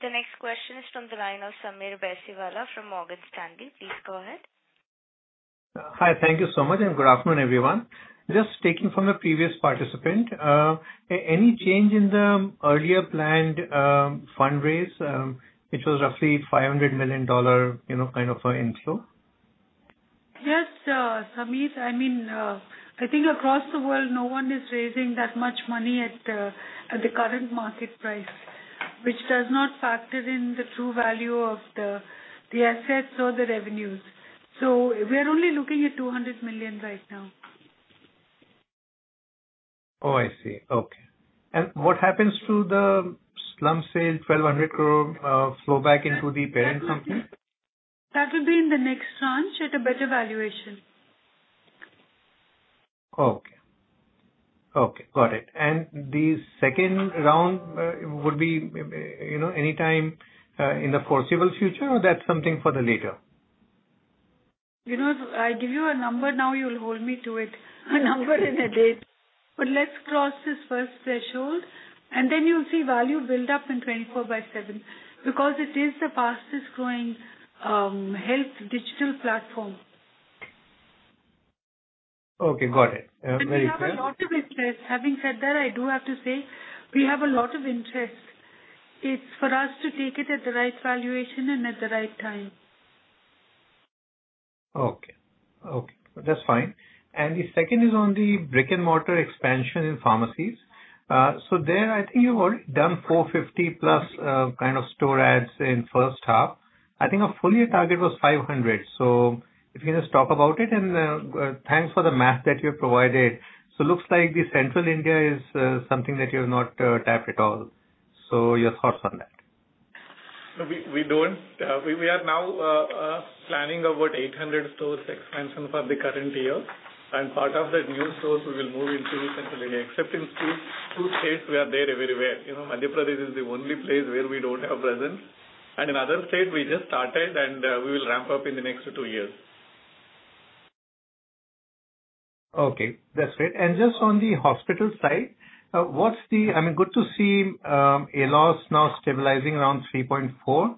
The next question is from the line of Sameer Baisiwala from Morgan Stanley. Please go ahead. Hi. Thank you so much, and good afternoon, everyone. Just taking from the previous participant, any change in the earlier planned fundraise, which was roughly $500 million, you know, kind of a inflow? Yes, Sameer. I mean, I think across the world, no one is raising that much money at the current market price, which does not factor in the true value of the assets or the revenues. We're only looking at 200 million right now. Oh, I see. Okay. What happens to the slump sale 1,200 crore flow back into the parent company? That will be in the next tranche at a better valuation. Okay. Okay, got it. The second round would be, you know, anytime in the foreseeable future or that's something for the later? You know, if I give you a number now, you'll hold me to it. A number and a date. Let's cross this first threshold, and then you'll see value build up in Apollo 24/7 because it is the fastest growing health digital platform. Okay, got it. Very clear. We have a lot of interest. Having said that, I do have to say we have a lot of interest. It's for us to take it at the right valuation and at the right time. Okay. Okay, that's fine. The second is on the brick-and-mortar expansion in pharmacies. There I think you've already done 450+ kind of store adds in first half. I think a full year target was 500. If you can just talk about it. Thanks for the math that you provided. Looks like the Central India is something that you have not tapped at all. Your thoughts on that. No, we don't. We are now planning about 800 stores expansion for the current year, and part of the new stores will move into Central India. Except in two states, we are there everywhere. You know, Madhya Pradesh is the only place where we don't have presence. In other state we just started, and we will ramp up in the next two years. Okay, that's great. Just on the hospital side, I mean, good to see ALOS now stabilizing around 3.4.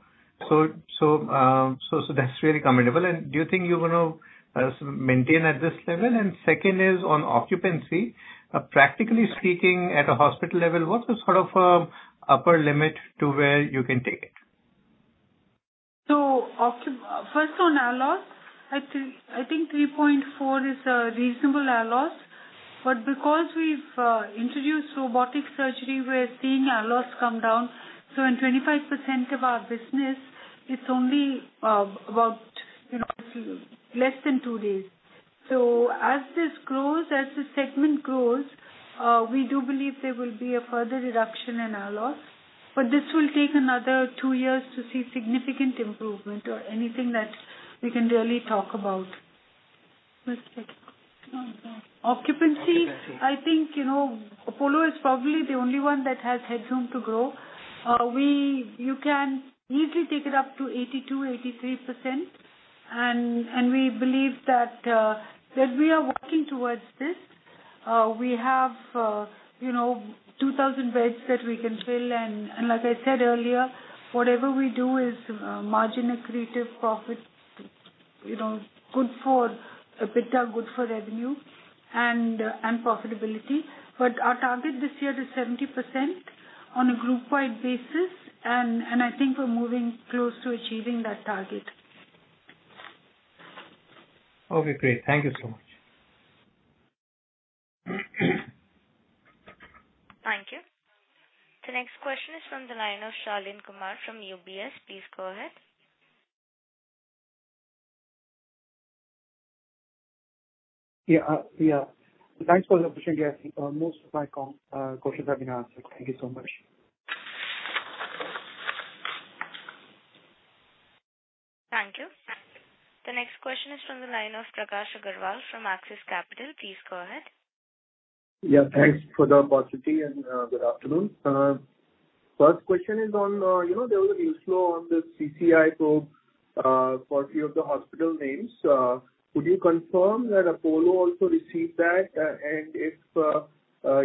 That's really commendable. Do you think you're gonna maintain at this level? Second is on occupancy. Practically speaking, at a hospital level, what's the sort of upper limit to where you can take it? First on ALOS, I think 3.4 is a reasonable ALOS. But because we've introduced robotic surgery, we're seeing ALOS come down. In 25% of our business, it's only about, you know, less than two days. As this grows, as the segment grows, we do believe there will be a further reduction in ALOS. But this will take another two years to see significant improvement or anything that we can really talk about. Occupancy. I think, you know, Apollo is probably the only one that has headroom to grow. You can easily take it up to 82%-83%. We believe that we are working towards this. We have, you know, 2,000 beds that we can fill. Like I said earlier, whatever we do is margin accretive, profit, you know, good for EBITDA, good for revenue and profitability. Our target this year is 70% on a group-wide basis. I think we're moving close to achieving that target. Okay, great. Thank you so much. Thank you. The next question is from the line of Shaleen Kumar from UBS. Please go ahead. Yeah. Thanks for the opportunity. Most of my questions have been answered. Thank you so much. Thank you. The next question is from the line of Prakash Agarwal from Axis Capital. Please go ahead. Yeah, thanks for the opportunity and good afternoon. First question is on, you know, there was a news flow on the CCI probe for few of the hospital names. Could you confirm that Apollo also received that? If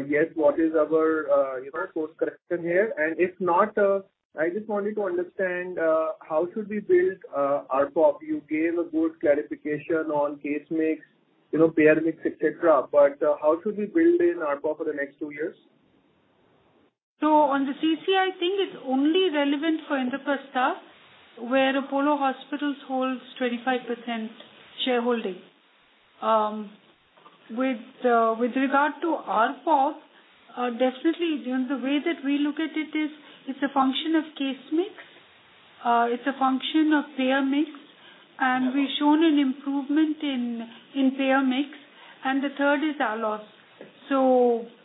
yes, what is our, you know, course correction here? If not, I just wanted to understand, how should we build ARPOB? You gave a good clarification on case mix, you know, payer mix, et cetera. How should we build in ARPOB for the next two years? On the CCI thing, it's only relevant for Indraprastha, where Apollo Hospitals holds 25% shareholding. With regard to ARPOB, definitely the way that we look at it is, it's a function of case mix, it's a function of payer mix, and we've shown an improvement in payer mix, and the third is ALOS.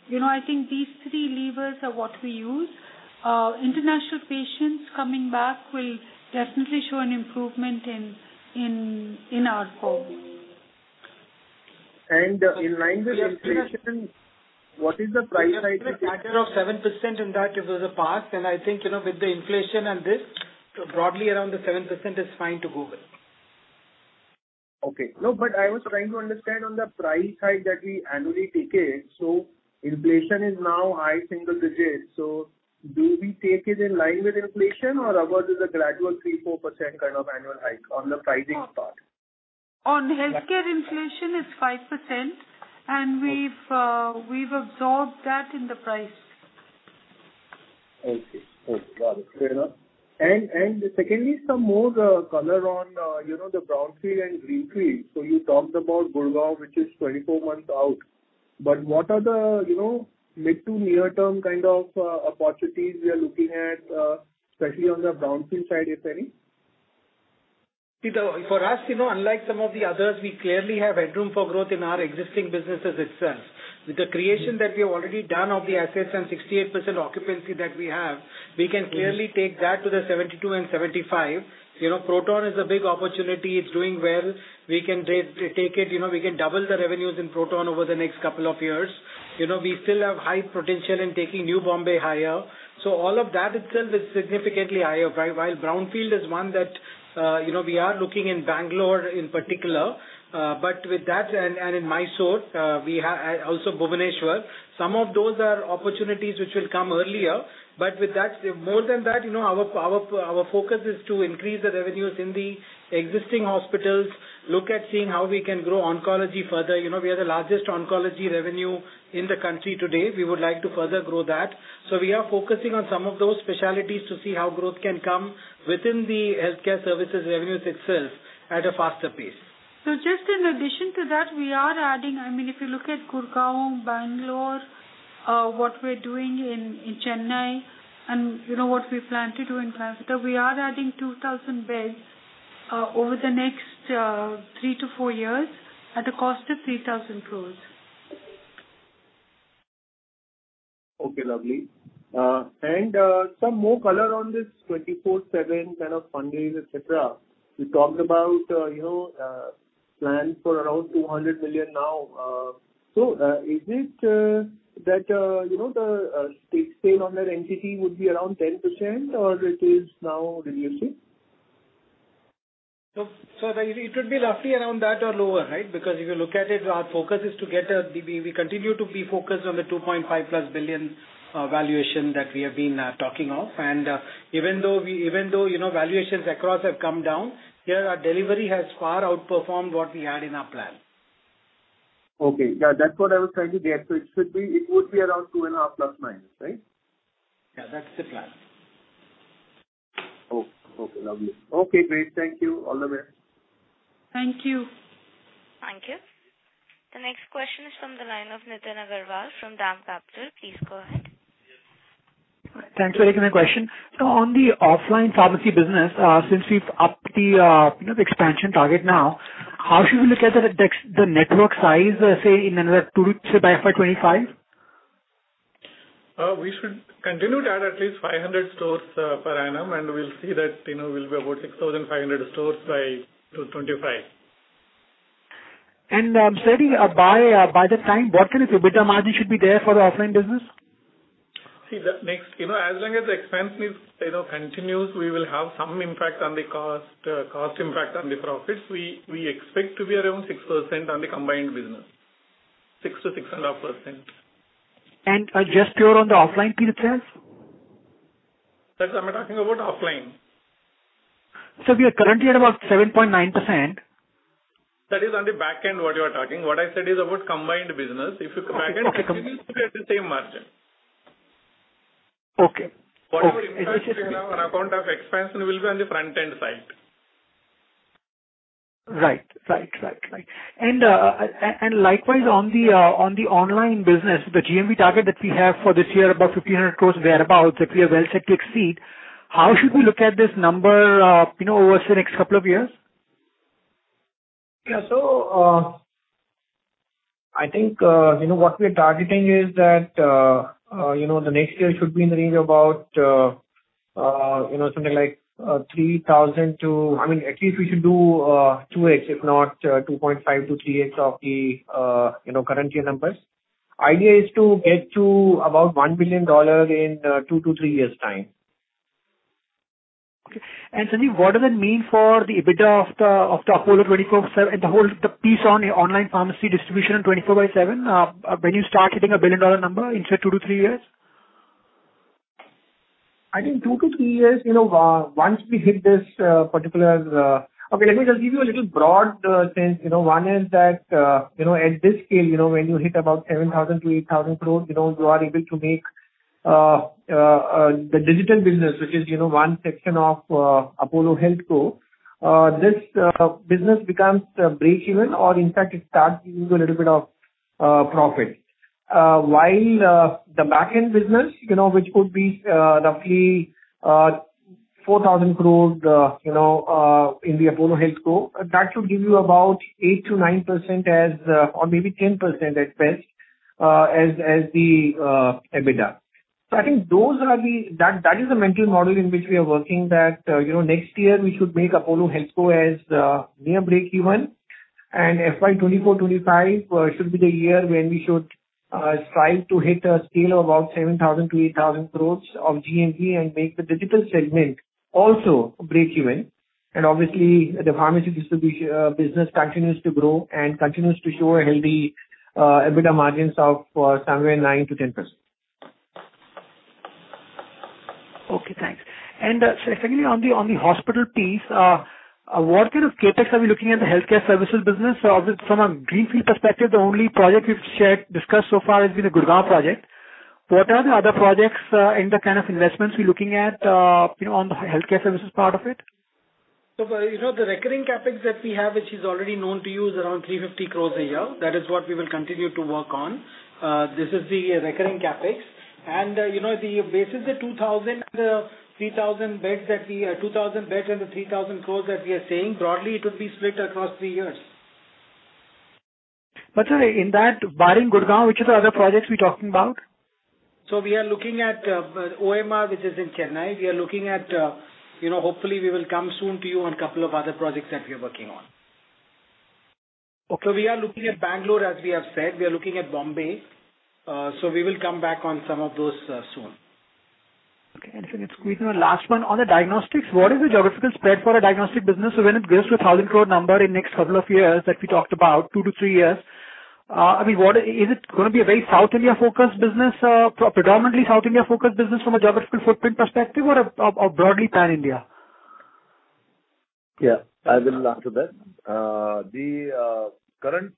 You know, I think these three levers are what we use. International patients coming back will definitely show an improvement in ARPOB. In line with inflation, what is the price hike? We have taken a matter of 7% in that over the past. I think, you know, with the inflation and this, broadly around the 7% is fine to go with. Okay. No, but I was trying to understand on the price hike that we annually take it, so inflation is now high single digits%. Do we take it in line with inflation or ours is a gradual 3%-4% kind of annual hike on the pricing part? On healthcare, inflation is 5%, and we've absorbed that in the price. Okay. Got it. Fair enough. Secondly, some more color on, you know, the brownfield and greenfield. You talked about Gurgaon, which is 24 months out. What are the, you know, mid to near-term kind of opportunities we are looking at, especially on the brownfield side, if any? For us, you know, unlike some of the others, we clearly have headroom for growth in our existing businesses itself. With the creation that we have already done of the assets and 68% occupancy that we have, we can clearly take that to the 72%-75%. You know, Proton is a big opportunity. It's doing well. We can take it, you know, we can double the revenues in Proton over the next couple of years. You know, we still have high potential in taking New Bombay higher. All of that itself is significantly higher. While Brownfield is one that, you know, we are looking in Bangalore in particular, but with that and in Mysore, we also have Bhubaneswar. Some of those are opportunities which will come earlier. With that, more than that, you know, our focus is to increase the revenues in the existing hospitals, look at seeing how we can grow oncology further. You know, we are the largest oncology revenue in the country today. We would like to further grow that. We are focusing on some of those specialties to see how growth can come within the healthcare services revenues itself at a faster pace. Just in addition to that, we are adding, I mean, if you look at Gurgaon, Bangalore, what we're doing in Chennai and, you know, what we plan to do in Kolkata, we are adding 2,000 beds over the next 3-4 years at a cost of 3,000 crore. Okay, lovely. Some more color on this Apollo 24/7 kind of funding, et cetera. You talked about, you know, plans for around $200 million now. Is it that, you know, the stake sale on that entity would be around 10% or it is now reducing? It would be roughly around that or lower, right? Because if you look at it, we continue to be focused on the 2.5+ billion valuation that we have been talking of. Even though you know, valuations across have come down, here our delivery has far outperformed what we had in our plan. Okay. Yeah, that's what I was trying to get. It should be, it would be around ±2.5, right? Yeah, that's the plan. Oh, okay. Lovely. Okay, great. Thank you. All the best. Thank you. Thank you. The next question is from the line of Nitin Agarwal from DAM Capital. Please go ahead. Thanks for taking the question. On the offline pharmacy business, since we've upped the, you know, the expansion target now, how should we look at the network size, say, in another two, say by FY 2025? We should continue to add at least 500 stores per annum, and we'll see that, you know, we'll be about 6,500 stores by 2025. Sandy, by that time, what kind of EBITDA margin should be there for the offline business? See that makes, you know, as long as the expansion is, you know, continues, we will have some impact on the cost impact on the profits. We expect to be around 6% on the combined business. 6%-6.5%. Just pure on the offline piece itself? That's what I'm talking about offline. We are currently at about 7.9%. That is on the back end, what you are talking. What I said is about combined business. If you compare it continues to be at the same margin. Okay. Whatever impact we will have on account of expansion will be on the front-end side. Right. Likewise, on the online business, the GMV target that we have for this year, about 5,000 crore, which we are well set to exceed. How should we look at this number, you know, over the next couple of years? Yeah. I think you know what we're targeting is that the next year should be in the range of about you know something like 3,000 to I mean at least we should do 2x if not 2.5x-3x of the you know current year numbers. Idea is to get to about $1 billion in 2-3 years' time. Okay. Sanjiv, what does it mean for the EBITDA of the Apollo 24/7, the whole, the piece on online pharmacy distribution in 24/7, when you start hitting a billion-dollar number in say 2 to 3 years? I think 2-3 years, you know, once we hit this. Okay, let me just give you a little broad sense. You know, one is that, you know, at this scale, you know, when you hit about 7,000 crore-8,000 crore, you know, you are able to make the digital business, which is, you know, one section of Apollo HealthCo. This business becomes breakeven or in fact it starts giving you a little bit of profit. While the back-end business, you know, which could be roughly 4,000 crore, you know, in the Apollo HealthCo, that should give you about 8%-9% as, or maybe 10% at best, as the EBITDA. That is the mental model in which we are working that you know next year we should make Apollo HealthCo as near breakeven. FY 2024/2025 should be the year when we should strive to hit a scale of about 7,000 crore-8,000 crore of GMV and make the digital segment also breakeven. The pharmacy distribution business continues to grow and continues to show a healthy EBITDA margins of somewhere 9%-10%. Okay, thanks. Sanjiv, on the hospital piece, what kind of CapEx are we looking at the healthcare services business? From a greenfield perspective, the only project we've shared, discussed so far has been the Gurgaon project. What are the other projects, and the kind of investments we're looking at, you know, on the healthcare services part of it? You know, the recurring CapEx that we have, which is already known to you, is around 350 crore a year. That is what we will continue to work on. This is the recurring CapEx. You know, this is the 2,000 beds and the 3,000 crore that we are saying, broadly it will be split across 3 years. Sir, in that barring Gurgaon, which are the other projects we're talking about? We are looking at OMR, which is in Chennai. We are looking at, you know, hopefully we will come soon to you on a couple of other projects that we are working on. Okay. We are looking at Bangalore, as we have said. We are looking at Bombay. We will come back on some of those, soon. Okay. If I can squeeze in one last one. On the diagnostics, what is the geographical spread for a diagnostic business? When it goes to 1,000 crore number in next couple of years that we talked about, 2-3 years, what is it gonna be a very South India-focused business, predominantly South India-focused business from a geographical footprint perspective or a broadly pan-India? Yeah. I will answer that. The current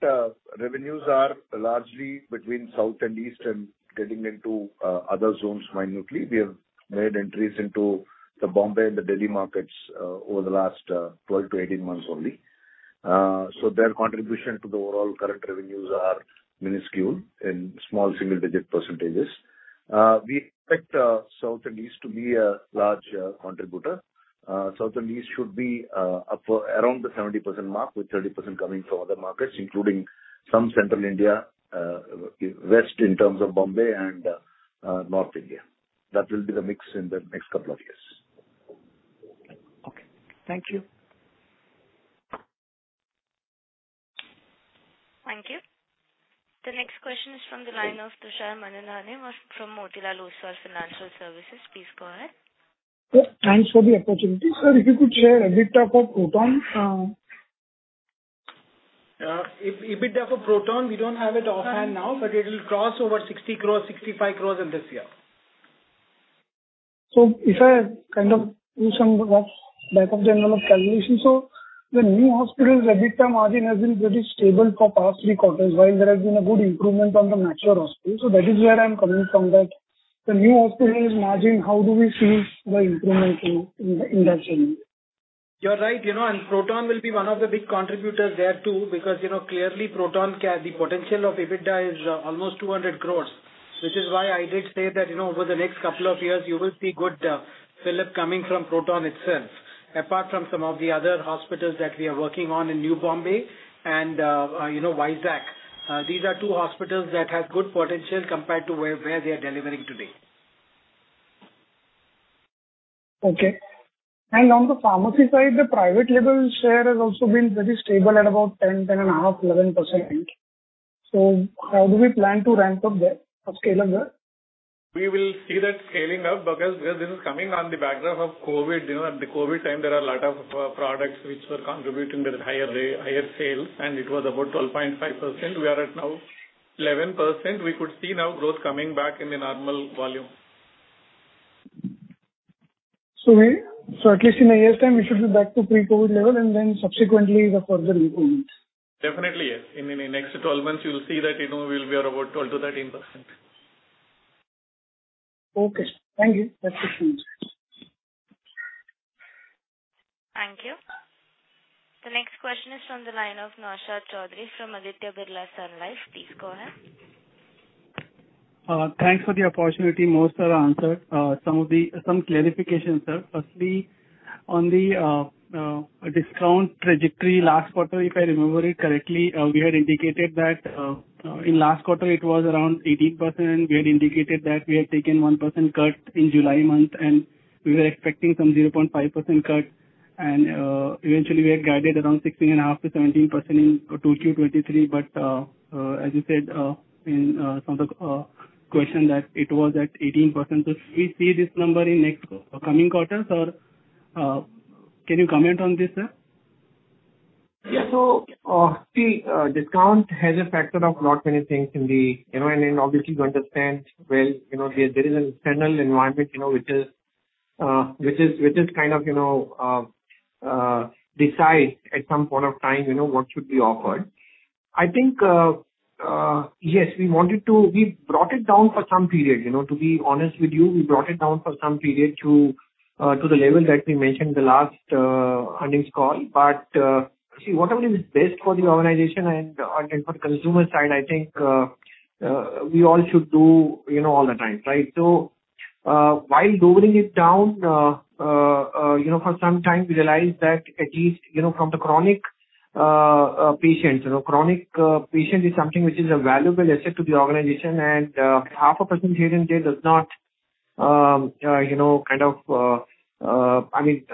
revenues are largely between South and East and getting into other zones minutely. We have made entries into the Mumbai and the Delhi markets over the last 12-18 months only. So their contribution to the overall current revenues are minuscule in small single-digit percentages. We expect South and East to be a large contributor. South and East should be up around the 70% mark, with 30% coming from other markets, including some Central India, West in terms of Mumbai and North India. That will be the mix in the next couple of years. Okay. Thank you. Thank you. The next question is from the line of Tushar Manudhane from Motilal Oswal Financial Services. Please go ahead. Thanks for the opportunity. Sir, if you could share EBITDA for Proton. EBITDA for Proton, we don't have it offhand now, but it will cross over 60 crore, 65 crore in this year. If I kind of do some back of the envelope calculation. The new hospitals EBITDA margin has been pretty stable for past three quarters while there has been a good improvement on the mature hospitals. That is where I'm coming from, that the new hospitals margin, how do we see the improvement, you know, in that segment? You're right, you know, and Proton will be one of the big contributors there, too, because, you know, clearly Proton can. The potential of EBITDA is almost 200 crore, which is why I did say that, you know, over the next couple of years you will see good fillip coming from Proton itself. Apart from some of the other hospitals that we are working on in New Bombay and Vizag. These are two hospitals that have good potential compared to where they are delivering today. Okay. On the pharmacy side, the private label share has also been pretty stable at about 10.5%, 11%. How do we plan to ramp up there or scale up there? We will see that scaling up because this is coming on the background of COVID. You know, at the COVID time, there are a lot of products which were contributing with higher sales, and it was about 12.5%. We are at now 11%. We could see now growth coming back in the normal volume. At least in a year's time we should be back to pre-COVID level and then subsequently the further improvements. Definitely, yes. In the next 12 months you will see that, you know, we'll be at about 12%-13%. Okay, thank you. That's it from me. Thank you. The next question is from the line of Naushad Chaudhary from Aditya Birla Sun Life. Please go ahead. Thanks for the opportunity. Most are answered. Some clarification, sir. Firstly, on the discount trajectory last quarter, if I remember it correctly, we had indicated that in last quarter it was around 18%. We had indicated that we had taken 1% cut in July month, and we were expecting some 0.5% cut. Eventually we had guided around 16.5%-17% in 2Q 2023. As you said, in some of the question that it was at 18%. We see this number in next coming quarters or can you comment on this, sir? Yeah. See, discount has a factor of not many things in the. You know, and obviously you understand well, you know, there is an external environment, you know, which is kind of decide at some point of time, you know, what should be offered. I think yes, we wanted to. We brought it down for some period. You know, to be honest with you, we brought it down for some period to the level that we mentioned the last earnings call. See, whatever is best for the organization and for the consumer side, I think we all should do, you know, all the time, right? While lowering it down, you know, for some time we realized that at least, you know, from the chronic patients, you know, a chronic patient is something which is a valuable asset to the organization. Half a percent here and there does not, you know, kind of, I mean,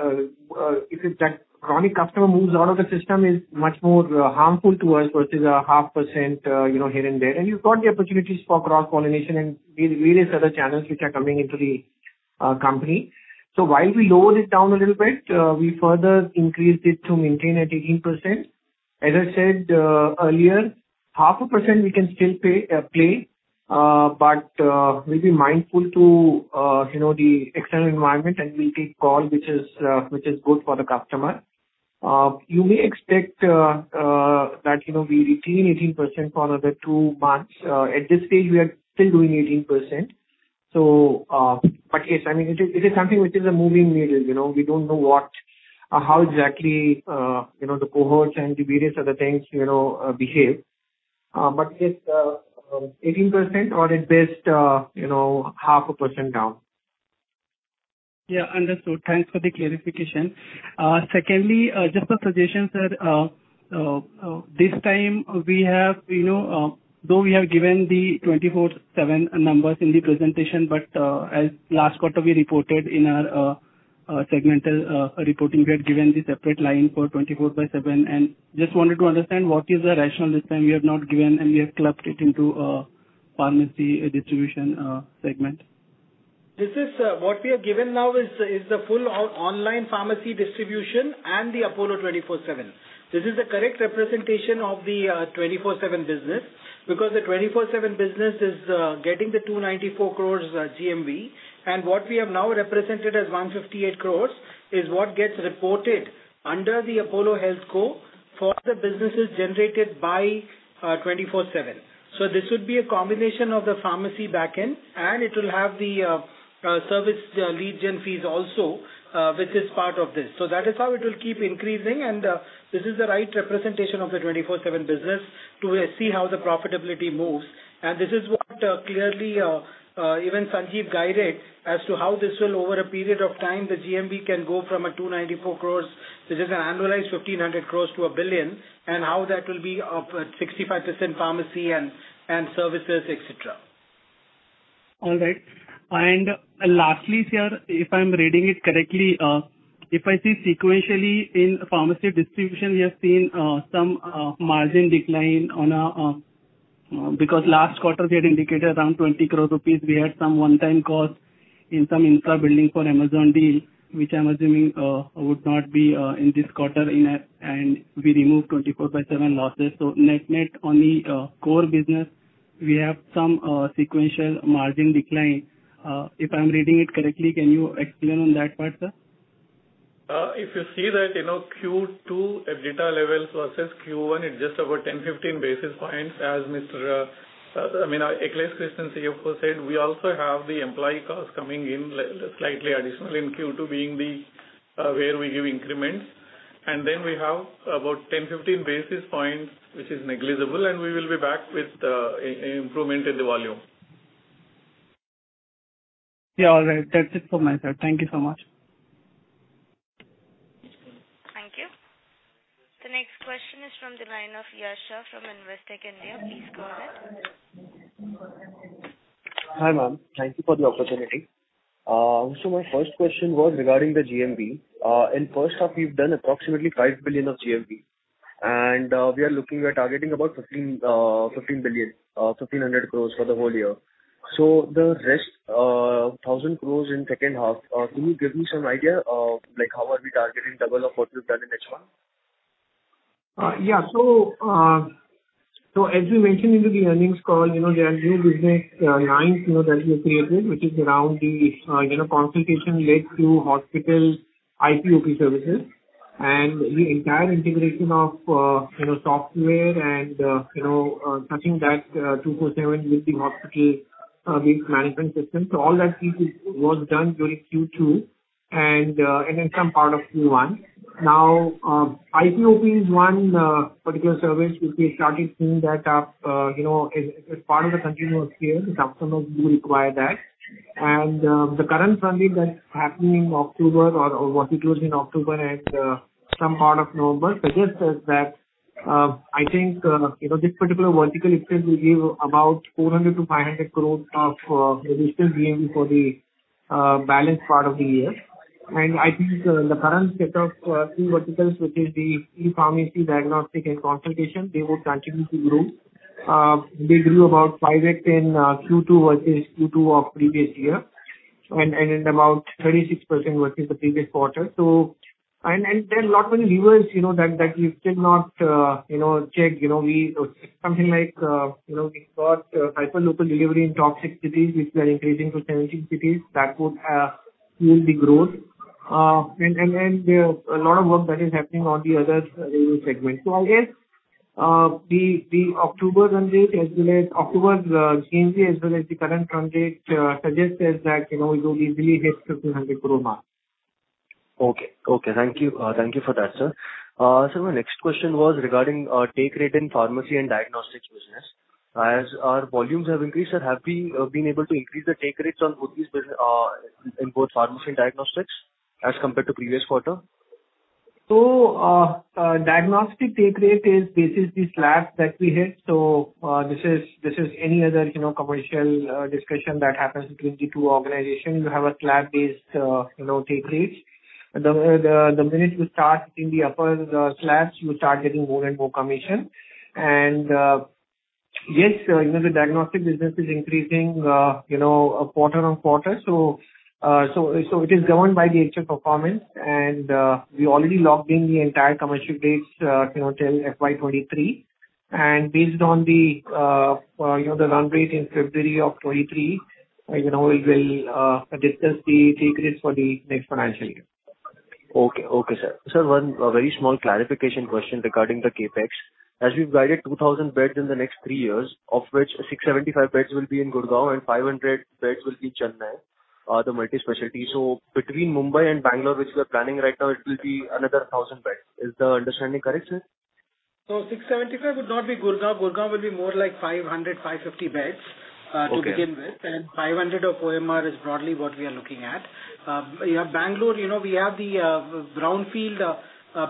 if it's that chronic customer moves out of the system is much more harmful to us versus a half percent, you know, here and there. You've got the opportunities for cross-pollination and various other channels which are coming into the company. While we lower it down a little bit, we further increased it to maintain at 18%. As I said earlier, half a percent we can still pay, but we'll be mindful of you know the external environment, and we'll take call which is good for the customer. You may expect that you know we retain 18% for another 2 months. At this stage we are still doing 18%. Yes, I mean, it is something which is a moving needle. You know, we don't know what or how exactly you know the cohorts and the various other things you know behave. It's 18% or at best 0.5% down. Yeah, understood. Thanks for the clarification. Secondly, just a suggestion, sir. This time we have, you know, though we have given the 24/7 numbers in the presentation, but as last quarter we reported in our segmental reporting, we had given the separate line for 24/7. Just wanted to understand what is the rationale this time we have not given and we have clubbed it into pharmacy distribution segment. This is what we have given now is the full online pharmacy distribution and the Apollo 24/7. This is the correct representation of the 24/7 business because the 24/7 business is getting 294 crore GMV. What we have now represented as 158 crore is what gets reported under the Apollo HealthCo for the businesses generated by 24/7. This would be a combination of the pharmacy back-end, and it will have the service lead gen fees also, which is part of this. That is how it will keep increasing. This is the right representation of the 24/7 business to see how the profitability moves. This is what clearly even Sanjiv guided as to how this will over a period of time the GMV can go from 294 crore to just an annualized 1,500 crore to 1 billion, and how that will be of 65% pharmacy and services, etc. All right. Lastly, sir, if I'm reading it correctly, if I see sequentially in pharmacy distribution, we have seen some margin decline on a, because last quarter we had indicated around 20 crore rupees. We had some one-time cost in some infra building for Amazon deal, which I'm assuming would not be in this quarter in that, and we removed Apollo 24/7 losses. Net-net only, core business, we have some sequential margin decline. If I'm reading it correctly, can you explain on that part, sir? If you see that, you know, Q2 EBITDA level versus Q1 is just about 10-15 basis points. As Mr. Krishnan Akhileswaran, CFO, said, we also have the employee costs coming in slightly additional in Q2 being the where we give increments. Then we have about 10-15 basis points, which is negligible, and we will be back with improvement in the volume. Yeah, all right. That's it for my side. Thank you so much. Thank you. The next question is from the line of Yash Shah from Investec India. Please go ahead. Hi, ma'am. Thank you for the opportunity. So my first question was regarding the GMV. In first half, we've done approximately 5 billion of GMV. We are targeting about 15 billion, 1,500 crore for the whole year. The rest, 1,000 crore in second half, can you give me some idea of like, how are we targeting double of what we've done in H1? Yeah. As we mentioned in the earnings call, you know, there are new business lines, you know, that we have created, which is around the, you know, consultation led to hospital IPOP services. The entire integration of, you know, software and, you know, tech and that Apollo 24/7 with the hospital-based management system was done during Q2 and then some part of Q1. Now, IPOP is one particular service which we have started seeing that, you know, as part of the continuous care, the customers do require that. The current funding that's happening in October and some part of November suggests that I think you know this particular vertical it will give about 400-500 crore of additional GMV for the balance part of the year. I think the current set of three verticals which is the e-pharmacy, diagnostic and consultation they would continue to grow. They grew about 5x in Q2 versus Q2 of previous year and at about 36% versus the previous quarter. There are lot many levers you know that that we've still not you know checked. You know we've got hyperlocal delivery in top six cities which we are increasing to 17 cities. That would fuel the growth. There's a lot of work that is happening on the other value segment. I guess the October run rate as well as October's GMV as well as the current run rate suggests is that, you know, we'll easily hit 1,500 crore mark. Okay. Thank you. Thank you for that, sir. Sir, my next question was regarding our take rate in pharmacy and diagnostics business. As our volumes have increased, have we been able to increase the take rates on both these, in both pharmacy and diagnostics as compared to previous quarter? Diagnostic take rate is based on the slab that we hit. This is any other, you know, commercial discussion that happens between the two organizations. You have a slab-based, you know, take rates. The minute you start in the upper slabs, you start getting more and more commission. Yes, you know, the diagnostic business is increasing, you know, quarter-over-quarter. It is governed by the HL performance. We already locked in the entire commercial rates, you know, till FY 2023. Based on, you know, the run rate in February 2023, you know, we will discuss the take rates for the next financial year. Okay. Okay, sir. Sir, one very small clarification question regarding the CapEx. As we've guided 2,000 beds in the next 3 years, of which 675 beds will be in Gurgaon and 500 beds will be in Chennai, the multi-specialty. Between Mumbai and Bangalore, which we are planning right now, it will be another 1,000 beds. Is the understanding correct, sir? 675 would not be Gurgaon. Gurgaon will be more like 500-550 beds. Okay. To begin with, 500 or more is broadly what we are looking at. Bangalore, you know, we have the brownfield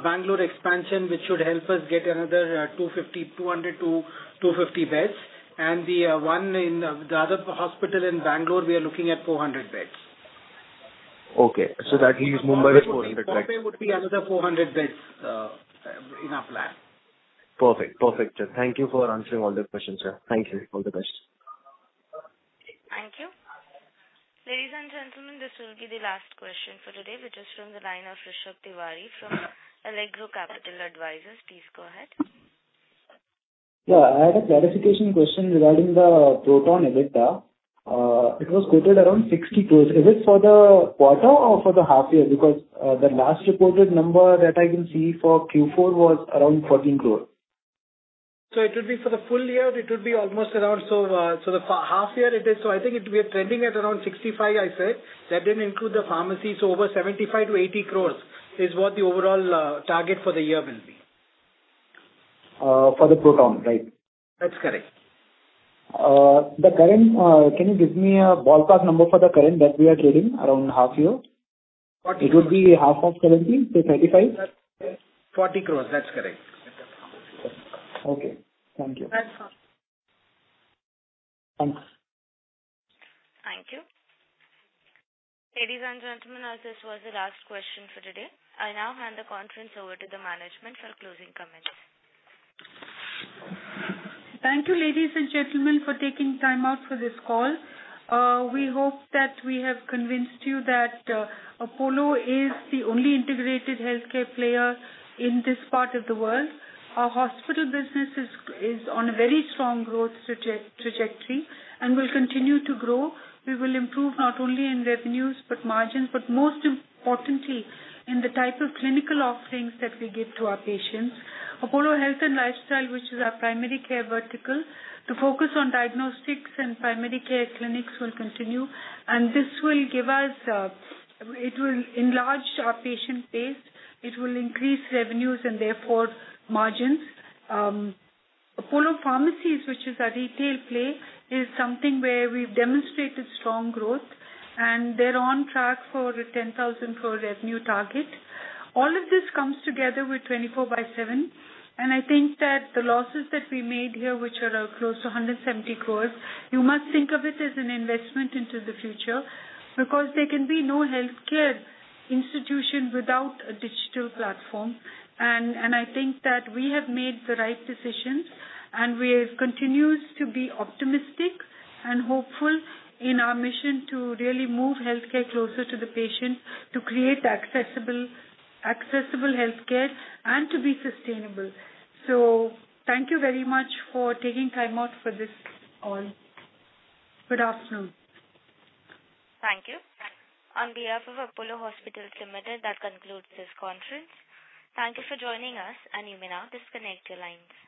Bangalore expansion, which should help us get another 200-250 beds. The one in the other hospital in Bangalore, we are looking at 400 beds. Okay. That leaves Mumbai with 400 beds. Mumbai would be another 400 beds in our plan. Perfect. Perfect, sir. Thank you for answering all the questions, sir. Thank you. All the best. Thank you. Ladies and gentlemen, this will be the last question for today, which is from the line of Rishabh Tiwari from Allegro Capital Advisors. Please go ahead. Yeah. I had a clarification question regarding the Proton EBITDA. It was quoted around 60 crore. Is it for the quarter or for the half year? Because the last reported number that I can see for Q4 was around 14 crore. It would be for the full year, it would be almost around. The half year it is. I think it will be trending at around 65 crore, I said. That didn't include the pharmacy. Over 75 crore-80 crore is what the overall target for the year will be. For the proton, right? That's correct. Can you give me a ballpark number for the current that we are trading around half year? Forty. It would be half of 70, so 35? 40 crore. That's correct. Okay. Thank you. Thanks. Thank you. Ladies and gentlemen, as this was the last question for today, I now hand the conference over to the management for closing comments. Thank you, ladies and gentlemen, for taking time out for this call. We hope that we have convinced you that Apollo is the only integrated healthcare player in this part of the world. Our hospital business is on a very strong growth trajectory and will continue to grow. We will improve not only in revenues, but margins, but most importantly, in the type of clinical offerings that we give to our patients. Apollo Health and Lifestyle, which is our primary care vertical, the focus on diagnostics and primary care clinics will continue, and this will give us it will enlarge our patient base. It will increase revenues and therefore margins. Apollo Pharmacies, which is our retail play, is something where we've demonstrated strong growth, and they're on track for an 10,000 crore revenue target. All of this comes together with Apollo 24/7, and I think that the losses that we made here, which are close to 170 crore, you must think of it as an investment into the future, because there can be no healthcare institution without a digital platform. I think that we have made the right decisions, and we have continued to be optimistic and hopeful in our mission to really move healthcare closer to the patient, to create accessible healthcare, and to be sustainable. Thank you very much for taking time out for this call. Good afternoon. Thank you. On behalf of Apollo Hospitals Enterprise Limited, that concludes this conference. Thank you for joining us, and you may now disconnect your lines.